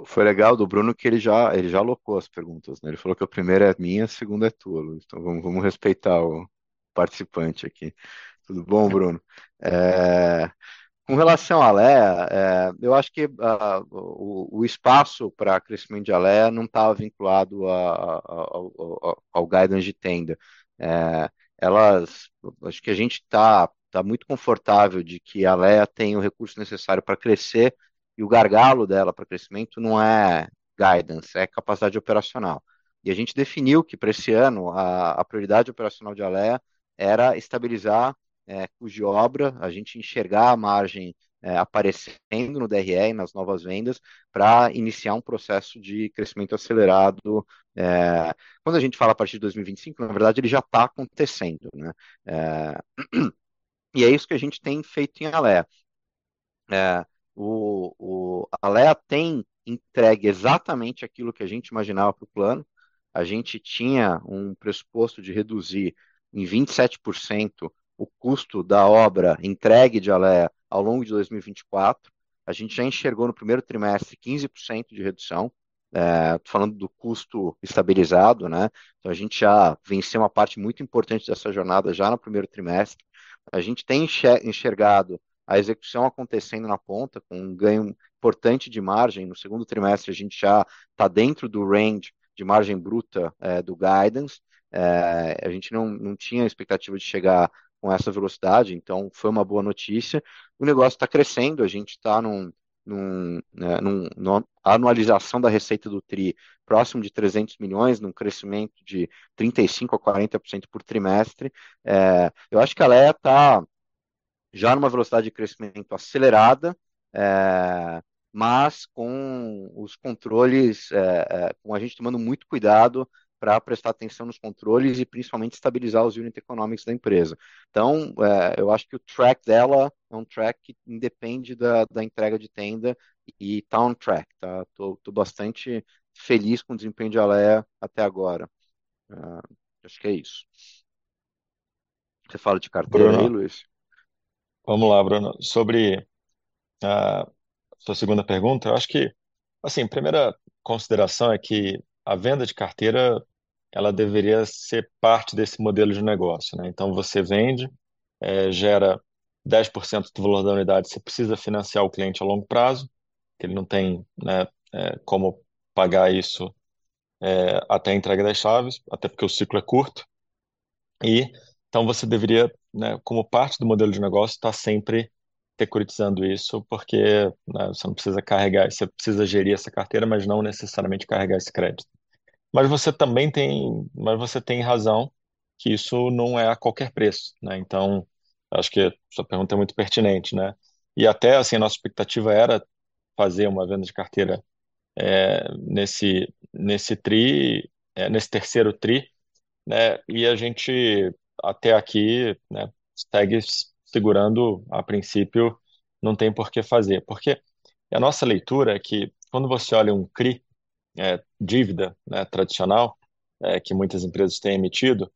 Foi legal do Bruno que ele já alocou as perguntas, né, ele falou que a primeira é minha, a segunda é tua, Luiz. Então vamos respeitar o participante aqui. Tudo bom, Bruno? Com relação à Alea, eu acho que o espaço pra crescimento de Alea não tá vinculado ao guidance de Tenda. Acho que a gente tá muito confortável de que a Alea tenha o recurso necessário pra crescer e o gargalo dela pra crescimento não é guidance, é capacidade operacional. A gente definiu que pra esse ano a prioridade operacional de Alea era estabilizar custo de obra, a gente enxergar a margem aparecendo no DRE e nas novas vendas pra iniciar um processo de crescimento acelerado. Quando a gente fala a partir de 2025, na verdade, ele já tá acontecendo, né. É isso que a gente tem feito em Alea. A Alea tem entregue exatamente aquilo que a gente imaginava pro plano. A gente tinha um pressuposto de reduzir em 27% o custo da obra entregue de Alea ao longo de 2024. A gente já enxergou no primeiro trimestre 15% de redução, tô falando do custo estabilizado, né. A gente já venceu uma parte muito importante dessa jornada já no primeiro trimestre. A gente tem enxergado a execução acontecendo na ponta, com ganho importante de margem. No segundo trimestre, a gente já tá dentro do range de margem bruta do guidance. A gente não tinha a expectativa de chegar com essa velocidade, então foi uma boa notícia. O negócio tá crescendo, a gente tá numa anualização da receita do tri próximo de 300 milhões, num crescimento de 35%-40% por trimestre. Eu acho que a Alea tá já numa velocidade de crescimento acelerada, mas com os controles, com a gente tomando muito cuidado pra prestar atenção nos controles e principalmente estabilizar os unit economics da empresa. Então, eu acho que o track dela é um track que independe da entrega de Tenda e tá on track. Tô bastante feliz com o desempenho de Alea até agora. Acho que é isso. Você fala de carteira, Luiz? Vamos lá, Bruno. Sobre a sua segunda pergunta, eu acho que, assim, a primeira consideração é que a venda de carteira ela deveria ser parte desse modelo de negócio, né. Você vende gera 10% do valor da unidade, você precisa financiar o cliente a longo prazo, que ele não tem, né, como pagar isso até a entrega das chaves, até porque o ciclo é curto. Você deveria, né, como parte do modelo de negócio, tá sempre securitizando isso, porque, né, você não precisa carregar, você precisa gerir essa carteira, mas não necessariamente carregar esse crédito. Mas você tem razão que isso não é a qualquer preço, né. Acho que sua pergunta é muito pertinente, né. Até, assim, nossa expectativa era fazer uma venda de carteira, nesse terceiro tri, e a gente até aqui segue segurando, a princípio, não tem por que fazer. Porque a nossa leitura é que quando você olha um CRI Dívida tradicional, que muitas empresas têm emitido,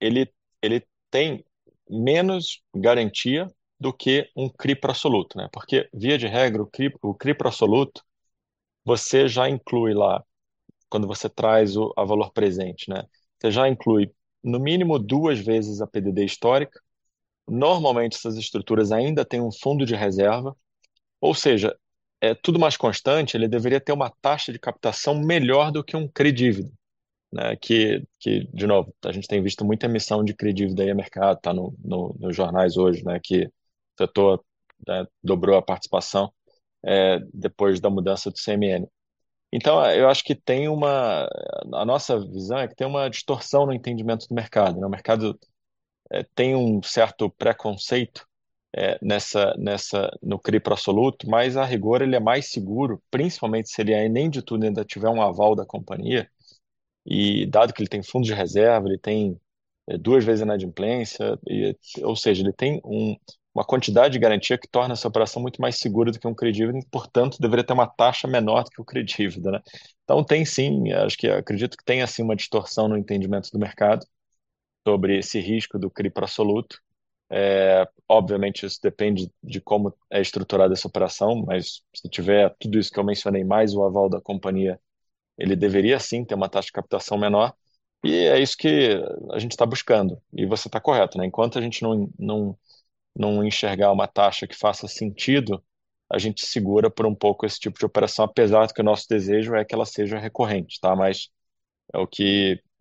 ele tem menos garantia do que um CRI Pró-soluto. Porque, via de regra, o CRI Pró-soluto, você já inclui lá, quando você traz o valor presente, você já inclui no mínimo duas vezes a PDD histórica. Normalmente, essas estruturas ainda têm um fundo de reserva, ou seja, é tudo mais constante, ele deveria ter uma taxa de captação melhor do que um CRI Dívida, né, que, de novo, a gente tem visto muita emissão de CRI Dívida aí a mercado, tá nos jornais hoje, né, que o Tenda dobrou a participação, depois da mudança do CMN. Então eu acho que tem uma a nossa visão é que tem uma distorção no entendimento do mercado, né, o mercado tem um certo preconceito, é, nessa, no CRI Pró-soluto, mas a rigor, ele é mais seguro, principalmente se ele é NM de tudo e ainda tiver um aval da companhia. Dado que ele tem fundo de reserva, ele tem duas vezes inadimplência, ou seja, ele tem uma quantidade de garantia que torna essa operação muito mais segura do que um CRI Dívida, portanto, deveria ter uma taxa menor que o CRI Dívida, né. Tem sim, acho que acredito que tenha, sim, uma distorção no entendimento do mercado sobre esse risco do CRI Pró-soluto. Obviamente, isso depende de como é estruturada essa operação, mas se tiver tudo isso que eu mencionei, mais o aval da companhia, ele deveria, sim, ter uma taxa de captação menor. É isso que a gente tá buscando. Você tá correto, né, enquanto a gente não enxergar uma taxa que faça sentido. A gente segura por um pouco esse tipo de operação, apesar que o nosso desejo é que ela seja recorrente, tá? É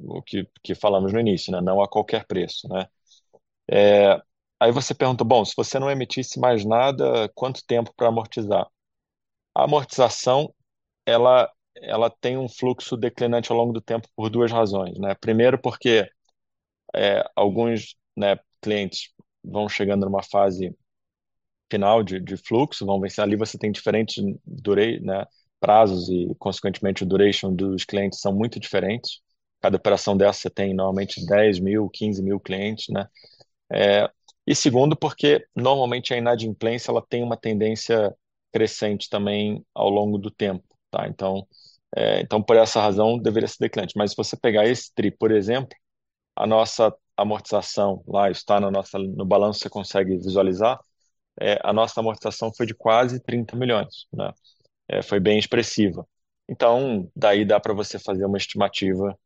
o que falamos no início, né, não a qualquer preço, né? Aí você pergunta: "Bom, se você não emitisse mais nada, quanto tempo pra amortizar?" A amortização ela tem um fluxo declinante ao longo do tempo por duas razões, né. Primeiro, porque alguns clientes vão chegando numa fase final de fluxo, ali você tem diferentes prazos e consequentemente o duration dos clientes são muito diferentes. Cada operação dessa, cê tem normalmente 10,000, 15,000 clientes, né. E segundo, porque normalmente a inadimplência ela tem uma tendência crescente também ao longo do tempo, tá? Então por essa razão deveria ser declinante, mas se você pegar esse trimestre, por exemplo, a nossa amortização lá, isso tá no balanço, cê consegue visualizar, a nossa amortização foi de quase 30 million, né. Foi bem expressiva. Daí dá pra você fazer uma estimativa,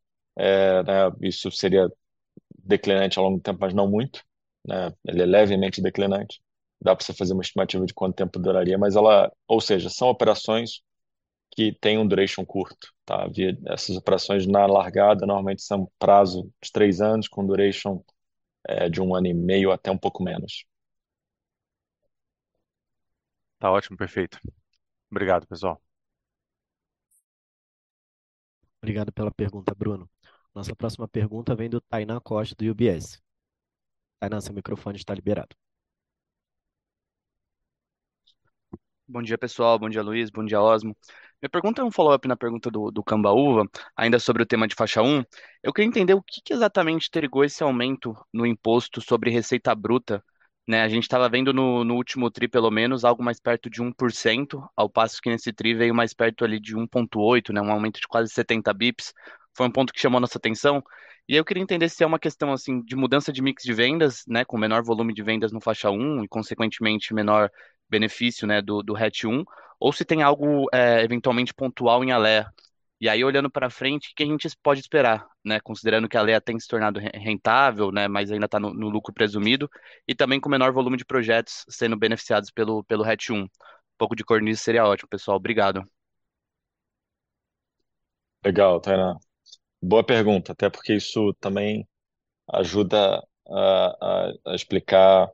isso seria declinante ao longo do tempo, mas não muito, né? Ele é levemente declinante. Dá pra você fazer uma estimativa de quanto tempo duraria, mas ela, ou seja, são operações que têm um duration curto. Essas operações na largada, normalmente, são prazo de 3 anos, com duration de 1 ano e meio até um pouco menos. Tá ótimo, perfeito. Obrigado, pessoal. Obrigado pela pergunta, Bruno. Nossa próxima pergunta vem do Tainan Costa, do UBS. Tainá, seu microfone está liberado. Bom dia, pessoal. Bom dia, Luiz. Bom dia, Osmo. Minha pergunta é um follow up na pergunta do Cambauva, ainda sobre o tema de Faixa 1. Eu queria entender o que que exatamente triggou esse aumento no imposto sobre receita bruta, né? A gente tava vendo no último tri, pelo menos, algo mais perto de 1%, ao passo que nesse tri veio mais perto ali de 1.8%, né, um aumento de quase 70 basis points. Foi um ponto que chamou nossa atenção. Eu queria entender se é uma questão, assim, de mudança de mix de vendas, né, com menor volume de vendas no Faixa 1 e consequentemente menor benefício, né, do RET1, ou se tem algo eventualmente pontual em Alea. Aí, olhando pra frente, o que a gente pode esperar, né? Considerando que a Alea tem se tornado re-rentável, né, mas ainda tá no lucro presumido e também com menor volume de projetos sendo beneficiados pelo RET1. Um pouco de Q&A seria ótimo, pessoal. Obrigado. Legal, Tainá. Boa pergunta, até porque isso também ajuda a explicar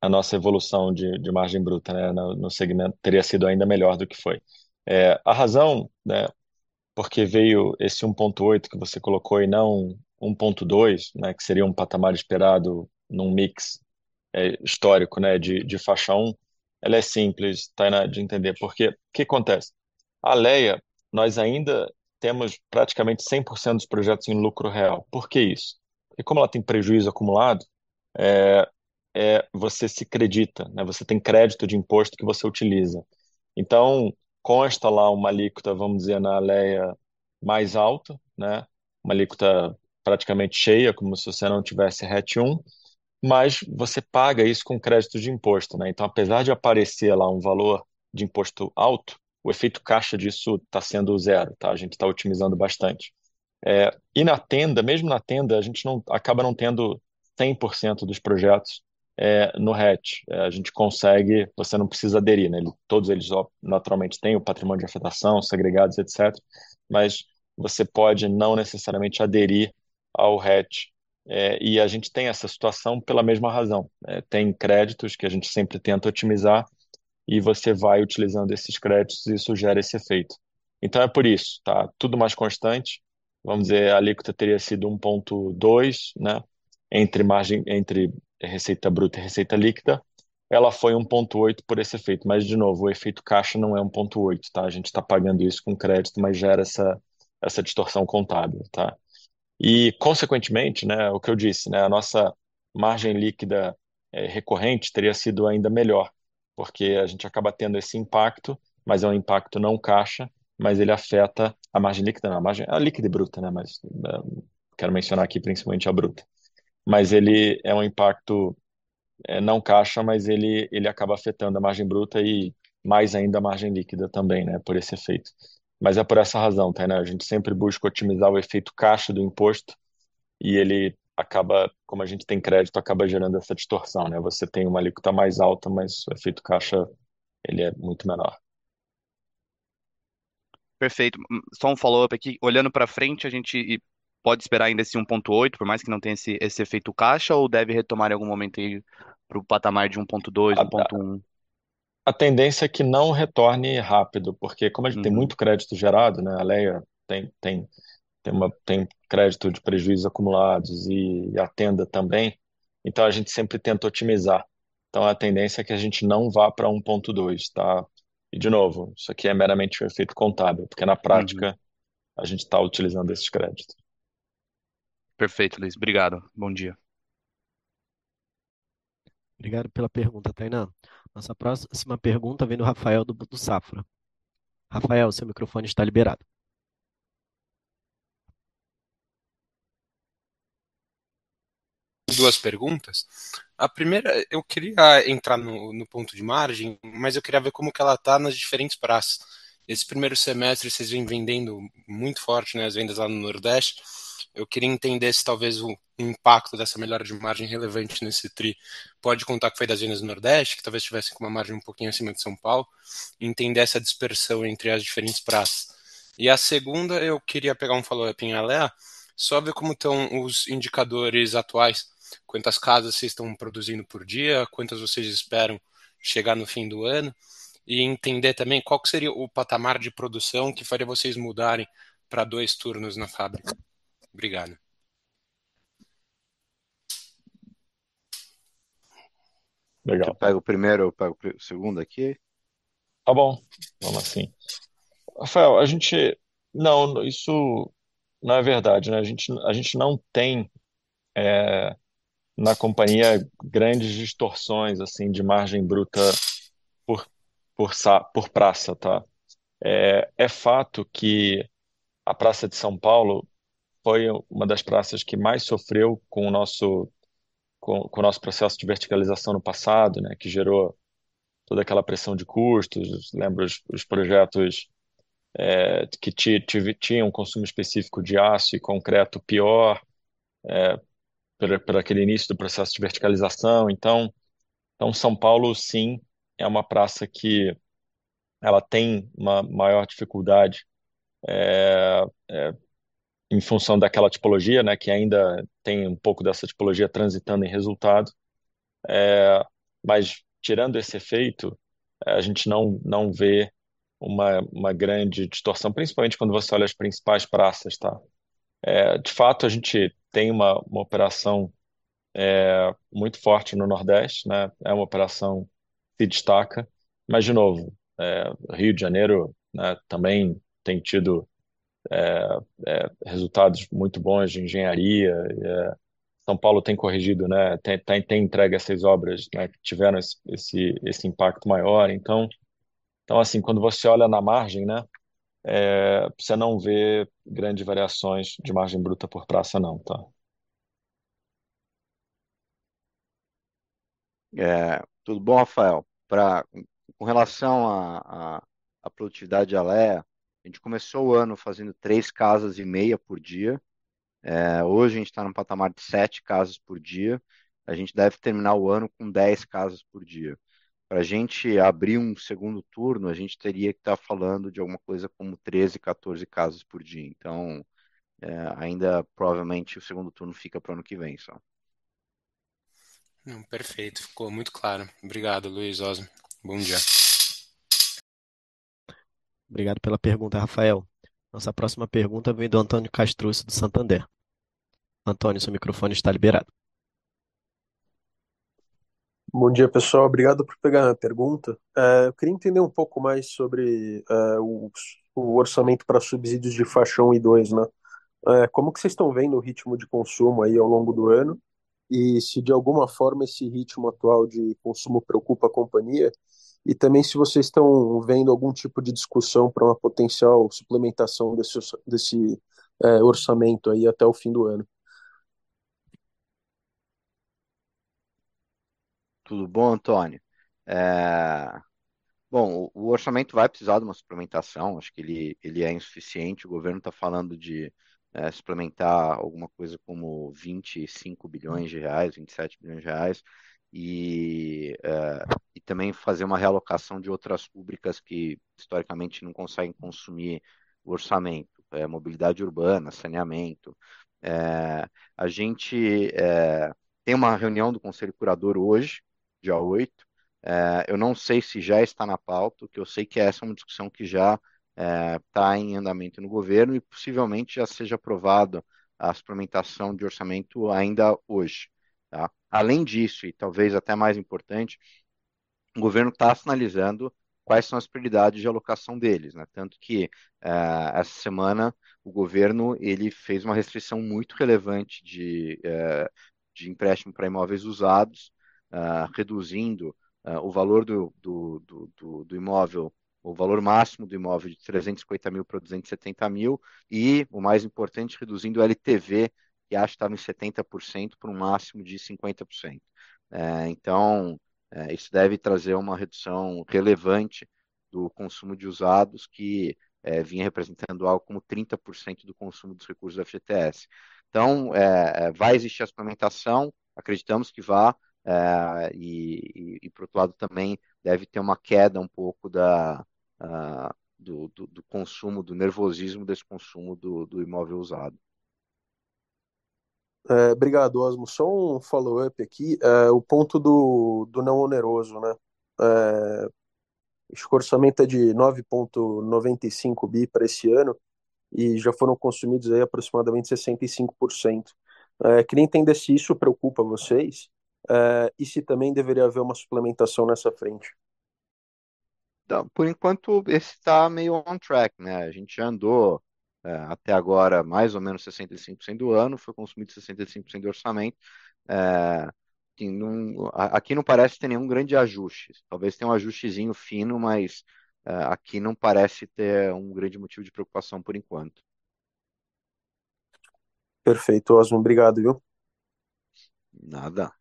a nossa evolução de margem bruta, né, no segmento. Teria sido ainda melhor do que foi. A razão, né, porque veio esse 1.8 que você colocou e não 1.2, né, que seria um patamar esperado num mix histórico, né, de faixa 1, ela é simples, Tainá, de entender, porque o que acontece? A Alea, nós ainda temos praticamente 100% dos projetos em Lucro Real. Por que isso? Porque como ela tem prejuízo acumulado, você se credita, né, você tem crédito de imposto que você utiliza. Então consta lá uma alíquota, vamos dizer, na Alea, mais alta, né? Uma alíquota praticamente cheia, como se você não tivesse RET1, mas você paga isso com crédito de imposto, né? Apesar de aparecer lá um valor de imposto alto, o efeito caixa disso tá sendo zero, tá? A gente tá otimizando bastante. E na Tenda, mesmo na Tenda, a gente acaba não tendo 100% dos projetos no RET. A gente consegue, você não precisa aderir, né? Todos eles naturalmente têm o Patrimônio de Afetação, segregados, etcétera, mas você pode não necessariamente aderir ao RET. E a gente tem essa situação pela mesma razão. Tem créditos que a gente sempre tenta otimizar e você vai utilizando esses créditos e isso gera esse efeito. É por isso, tá? Tudo mais constante. Vamos dizer, a alíquota teria sido 1.2, né, entre margem, entre receita bruta e receita líquida. Ela foi 0.8 por esse efeito. Mas, de novo, o efeito caixa não é 0.8, tá? A gente tá pagando isso com crédito, mas gera essa distorção contábil, tá? Consequentemente, né, o que eu disse, né, a nossa margem líquida recorrente teria sido ainda melhor, porque a gente acaba tendo esse impacto, mas é um impacto não caixa, mas ele afeta a margem líquida. A margem líquida e bruta, né? Quero mencionar aqui principalmente a bruta. Ele é um impacto não caixa, mas ele acaba afetando a margem bruta e mais ainda a margem líquida também, né, por esse efeito. É por essa razão, Tainá, a gente sempre busca otimizar o efeito caixa do imposto e ele acaba, como a gente tem crédito, acaba gerando essa distorção, né? Você tem uma alíquota mais alta, mas o efeito caixa, ele é muito menor. Perfeito. Só um follow up aqui. Olhando pra frente, a gente pode esperar ainda esse 1.8%, por mais que não tenha esse efeito caixa, ou deve retomar em algum momento aí pro patamar de 1.2%, 1.1%? A tendência é que não retorne rápido, porque como a gente tem muito crédito gerado, né, a Alea tem crédito de prejuízos acumulados e a Tenda também, então a gente sempre tenta otimizar. Então a tendência é que a gente não vá pra 1.2, tá? De novo, isso aqui é meramente um efeito contábil, porque na prática a gente tá utilizando esses créditos. Perfeito, Luiz. Obrigado. Bom dia. Obrigado pela pergunta, Tainá. Nossa próxima pergunta vem do Rafael, do Grupo Safra. Rafael, seu microfone está liberado. Duas perguntas. A primeira, eu queria entrar no ponto de margem, mas eu queria ver como que ela tá nas diferentes praças. Esse primeiro semestre, cês vêm vendendo muito forte, né, as vendas lá no Nordeste. Eu queria entender se talvez o impacto dessa melhora de margem relevante nesse tri pode contar que foi das vendas do Nordeste, que talvez tivesse com uma margem um pouquinho acima de São Paulo, entender essa dispersão entre as diferentes praças. A segunda, eu queria pegar um follow-up em Alea, só ver como tão os indicadores atuais, quantas casas cês tão produzindo por dia, quantas vocês esperam chegar no fim do ano e entender também qual que seria o patamar de produção que faria vocês mudarem pra dois turnos na fábrica. Obrigado. Legal. Tu pega o primeiro, eu pego o segundo aqui. Tá bom, vamos assim. Rafael, não, isso não é verdade. A gente não tem na companhia grandes distorções assim de margem bruta por praça, tá? É fato que a praça de São Paulo foi uma das praças que mais sofreu com o nosso processo de verticalização no passado, né, que gerou toda aquela pressão de custos. Lembra os projetos que tinha um consumo específico de aço e concreto pior pra aquele início do processo de verticalização. Então, São Paulo, sim, é uma praça que ela tem uma maior dificuldade em função daquela tipologia, né, que ainda tem um pouco dessa tipologia transitando em resultado. Tirando esse efeito, a gente não vê uma grande distorção, principalmente quando você olha as principais praças, tá? De fato, a gente tem uma operação muito forte no Nordeste, né? Uma operação que destaca. De novo, Rio de Janeiro, né, também tem tido resultados muito bons de engenharia. São Paulo tem corrigido, né, tem entregue essas obras, né, que tiveram esse impacto maior. Assim, quando você olha na margem, né, cê não vê grandes variações de margem bruta por praça, não, tá? Tudo bom, Rafael? Com relação à produtividade de Ale, a gente começou o ano fazendo 3 casas e meia por dia. Hoje a gente tá num patamar de 7 casas por dia. A gente deve terminar o ano com 10 casas por dia. Pra gente abrir um segundo turno, a gente teria que tá falando de alguma coisa como 13, 14 casas por dia. Ainda provavelmente o segundo turno fica pro ano que vem, só. Perfeito, ficou muito claro. Obrigado, Luiz, Osmo. Bom dia. Obrigado pela pergunta, Rafael. Nossa próxima pergunta vem do Antônio Castrucci, do Santander. Antônio, seu microfone está liberado. Bom dia, pessoal. Obrigado por pegar a pergunta. Eu queria entender um pouco mais sobre o orçamento pra subsídios de Faixa um e dois, né? Como que cês tão vendo o ritmo de consumo aí ao longo do ano e se de alguma forma esse ritmo atual de consumo preocupa a companhia? Também se vocês tão vendo algum tipo de discussão pra uma potencial suplementação desse orçamento aí até o fim do ano. Tudo bom, Antônio? Bom, o orçamento vai precisar de uma suplementação, acho que ele é insuficiente. O governo tá falando de suplementar alguma coisa como 25 bilhões reais, 27 bilhões reais e também fazer uma realocação de outras rubricas que historicamente não conseguem consumir o orçamento, mobilidade urbana, saneamento. A gente tem uma reunião do Conselho Curador hoje, dia 8. Eu não sei se já está na pauta, o que eu sei é que essa é uma discussão que já tá em andamento no governo e possivelmente já seja aprovada a suplementação de orçamento ainda hoje, tá? Além disso, talvez até mais importante, o governo tá sinalizando quais são as prioridades de alocação deles, né. Tanto que, essa semana, o governo, ele fez uma restrição muito relevante de de empréstimo pra imóveis usados, reduzindo o valor do imóvel, o valor máximo do imóvel de 350,000 pra 270,000 e, o mais importante, reduzindo o LTV, que acho que tá nos 70% pra um máximo de 50%. Então, isso deve trazer uma redução relevante do consumo de usados, que vinha representando algo como 30% do consumo dos recursos do FGTS. Vai existir a suplementação, acreditamos que vá e pro outro lado também deve ter uma queda um pouco da do consumo, do nervosismo desse consumo do imóvel usado. Obrigado, Osmo. Só um follow-up aqui. O ponto do não oneroso, né. Acho que o orçamento é de 9.95 billion pra esse ano e já foram consumidos aí aproximadamente 65%. Queria entender se isso preocupa vocês, e se também deveria haver uma suplementação nessa frente. Por enquanto, esse tá meio on track, né? A gente andou até agora mais ou menos 65% do ano, foi consumido 65% do orçamento. Aqui não parece ter nenhum grande ajuste. Talvez tenha um ajustezinho fino, mas aqui não parece ter um grande motivo de preocupação por enquanto. Perfeito, Osmo. Obrigado, viu? Nada.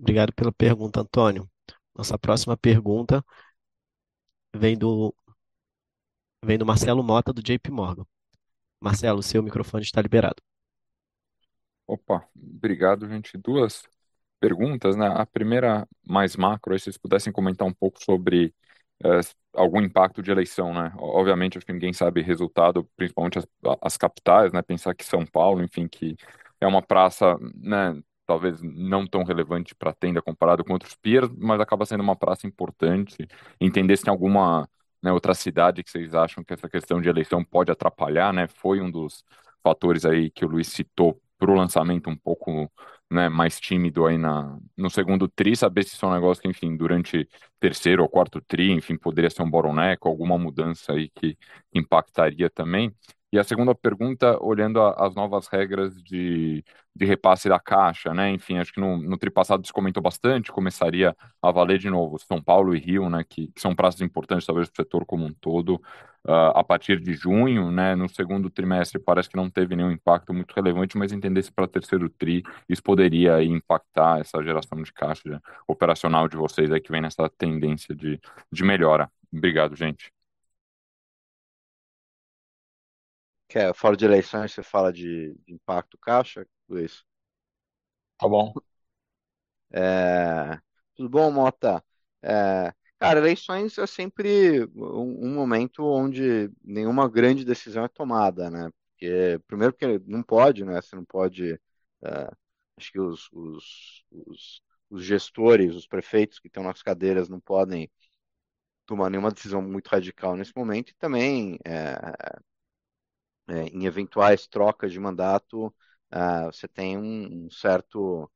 Obrigado pela pergunta, Antônio. Nossa próxima pergunta vem do Marcelo Motta, do J.P. Morgan. Marcelo, o seu microfone está liberado. Opa, obrigado, gente. Duas perguntas. A primeira mais macro, se vocês pudessem comentar um pouco sobre algum impacto de eleição. Obviamente, acho que ninguém sabe o resultado, principalmente as capitais. Pensar que São Paulo, enfim, que é uma praça talvez não tão relevante pra Tenda comparado com outros pares, mas acaba sendo uma praça importante. Entender se tem alguma outra cidade que vocês acham que essa questão de eleição pode atrapalhar. Foi um dos fatores aí que o Luiz citou pro lançamento um pouco mais tímido aí no segundo tri, saber se isso é um negócio que enfim, durante terceiro ou quarto tri, enfim, poderia ser um bottleneck, alguma mudança aí que impactaria também. A segunda pergunta, olhando as novas regras de repasse da Caixa. Enfim, acho que no tri passado isso comentou bastante, começaria a valer de novo São Paulo e Rio, que são praças importantes, talvez pro setor como um todo, a partir de junho. No segundo trimestre, parece que não teve nenhum impacto muito relevante, mas entender se pra terceiro tri, isso poderia impactar essa geração de caixa operacional de vocês aí que vem nessa tendência de melhora. Obrigado, gente. Fora de eleições, você fala de impacto caixa, Luiz? Tá bom. Tudo bom, Motta? Cara, eleições é sempre um momento onde nenhuma grande decisão é tomada. Primeiro porque não pode, você não pode, acho que os gestores, os prefeitos que estão nas cadeiras não podem tomar nenhuma decisão muito radical nesse momento e também em eventuais trocas de mandato, você tem um certo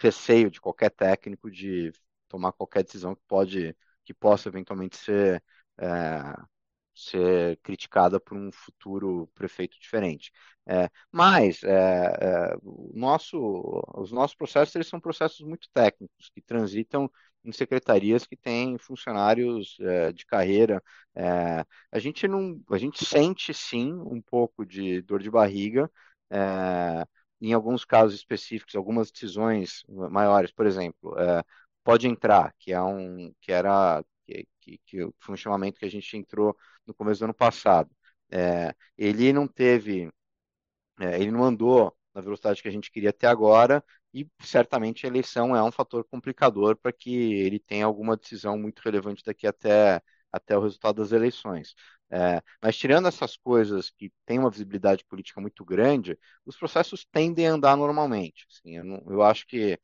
receio de qualquer técnico de tomar qualquer decisão que possa eventualmente ser criticada por um futuro prefeito diferente. Os nossos processos, eles são processos muito técnicos, que transitam em secretarias que têm funcionários de carreira. A gente sente, sim, um pouco de dor de barriga em alguns casos específicos, algumas decisões maiores, por exemplo, Pode Entrar, que era um funcionamento que a gente entrou no começo do ano passado. Ele não andou na velocidade que a gente queria até agora e certamente a eleição é um fator complicador pra que ele tenha alguma decisão muito relevante daqui até o resultado das eleições. Tirando essas coisas que têm uma visibilidade política muito grande, os processos tendem a andar normalmente. Eu acho que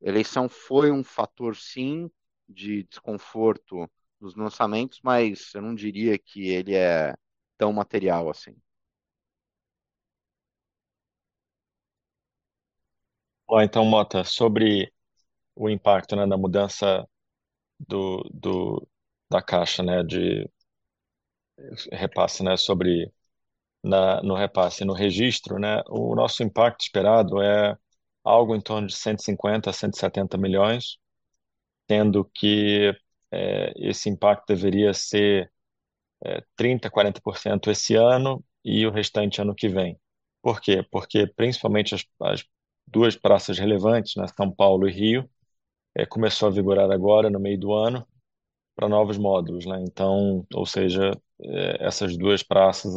eleição foi um fator, sim, de desconforto nos lançamentos, mas eu não diria que ele é tão material assim. Motta, sobre o impacto da mudança da Caixa de repasse, no repasse no registro, o nosso impacto esperado é algo em torno de 150-170 milhões, tendo que esse impacto deveria ser 30%-40% esse ano e o restante ano que vem. Por quê? Porque principalmente as duas praças relevantes, São Paulo e Rio, começou a vigorar agora no meio do ano pra novos módulos. Ou seja, essas duas praças,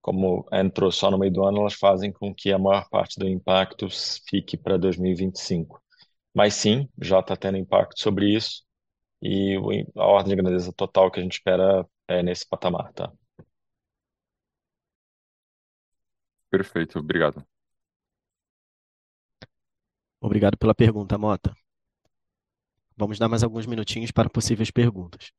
como entrou só no meio do ano, elas fazem com que a maior parte do impacto fique pra 2025. Mas sim, já está tendo impacto sobre isso e a ordem de grandeza total que a gente espera é nesse patamar. Perfeito, obrigado. Obrigado pela pergunta, Motta. Vamos dar mais alguns minutinhos para possíveis perguntas.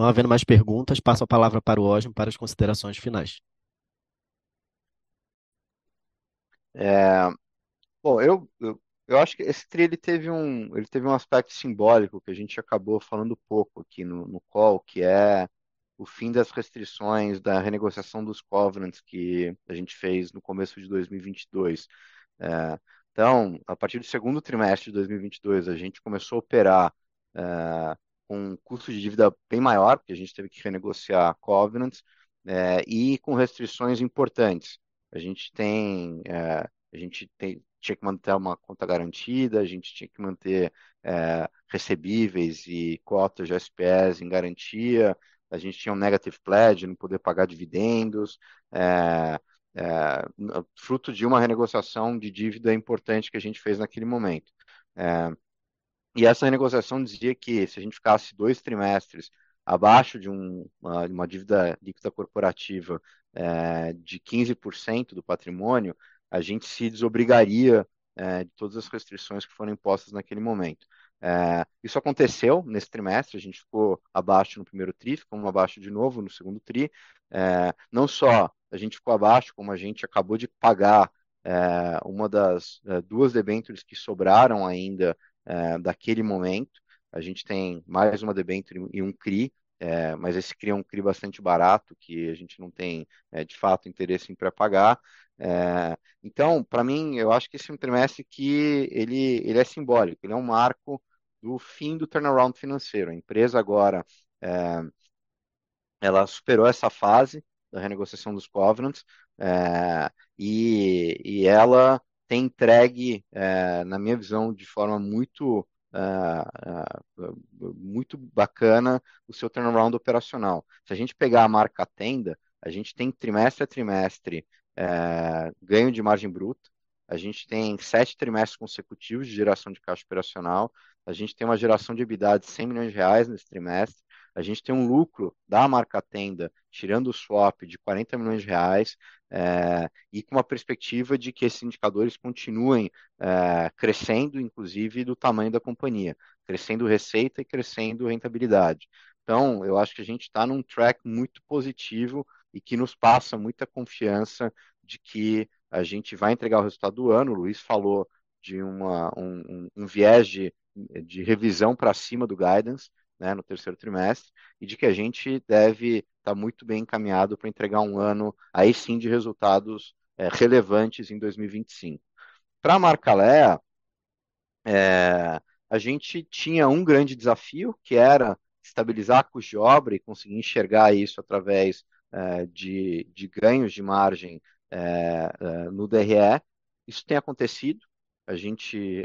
Não havendo mais perguntas, passo a palavra para o Osmo para as considerações finais. Eu acho que esse tri teve um aspecto simbólico, que a gente acabou falando pouco aqui no call, que é o fim das restrições da renegociação dos covenants que a gente fez no começo de 2022. A partir do segundo trimestre de 2022, a gente começou a operar com custo de dívida bem maior, porque a gente teve que renegociar covenants, e com restrições importantes. A gente tinha que manter uma conta garantida, a gente tinha que manter recebíveis e cotas de SPEs em garantia, a gente tinha um negative pledge, não poder pagar dividendos, fruto de uma renegociação de dívida importante que a gente fez naquele momento. Essa renegociação dizia que se a gente ficasse dois trimestres abaixo de uma dívida líquida corporativa de 15% do patrimônio, a gente se desobrigaria de todas as restrições que foram impostas naquele momento. Isso aconteceu nesse trimestre, a gente ficou abaixo no primeiro tri, ficamos abaixo de novo no segundo tri. Não só a gente ficou abaixo, como a gente acabou de pagar uma das duas debêntures que sobraram ainda daquele momento. A gente tem mais uma debênture e um CRI, mas esse CRI é um CRI bastante barato, que a gente não tem de fato interesse em pré-pagar. Então, pra mim, eu acho que esse trimestre é simbólico, ele é um marco do fim do turnaround financeiro. A empresa agora ela superou essa fase da renegociação dos covenants, e ela tem entregue na minha visão de forma muito bacana o seu turnaround operacional. Se a gente pegar a marca Tenda, a gente tem trimestre a trimestre ganho de margem bruta, a gente tem 7 trimestres consecutivos de geração de caixa operacional, a gente tem uma geração de EBITDA de 100 million reais nesse trimestre, a gente tem um lucro da marca Tenda, tirando o swap, de 40 million reais, e com a perspectiva de que esses indicadores continuem crescendo, inclusive, do tamanho da companhia, crescendo receita e crescendo rentabilidade. Eu acho que a gente tá num track muito positivo e que nos passa muita confiança de que a gente vai entregar o resultado do ano. O Luiz falou de um viés de revisão pra cima do guidance, né, no terceiro trimestre, e de que a gente deve tá muito bem encaminhado pra entregar um ano, aí sim, de resultados relevantes em 2025. Pra marca Alea, a gente tinha um grande desafio, que era estabilizar custo de obra e conseguir enxergar isso através de ganhos de margem no DRE. Isso tem acontecido. A gente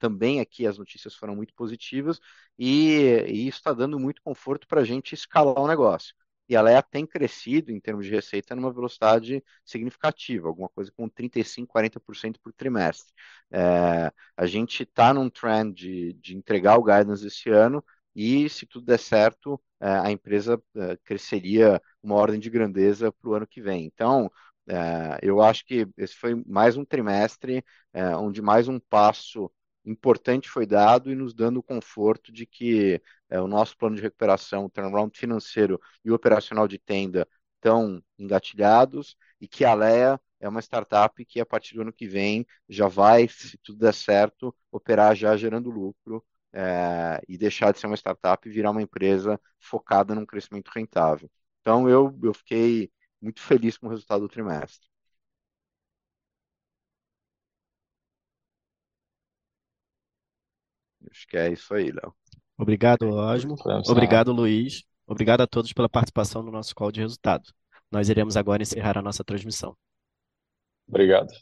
também aqui as notícias foram muito positivas e isso tá dando muito conforto pra gente escalar o negócio. A Alea tem crescido em termos de receita numa velocidade significativa, alguma coisa com 35%-40% por trimestre. A gente tá num trend de entregar o guidance esse ano e se tudo der certo, a empresa cresceria uma ordem de grandeza pro ano que vem. Eu acho que esse foi mais um trimestre onde mais um passo importante foi dado e nos dando o conforto de que o nosso plano de recuperação, o turnaround financeiro e o operacional de Tenda estão engatilhados e que a Alea é uma startup que a partir do ano que vem já vai, se tudo der certo, operar já gerando lucro e deixar de ser uma startup e virar uma empresa focada num crescimento rentável. Eu fiquei muito feliz com o resultado do trimestre. Acho que é isso aí, Léo. Obrigado, Osmo. Obrigado, Luiz. Obrigado a todos pela participação no nosso call de resultado. Nós iremos agora encerrar a nossa transmissão. Obrigado.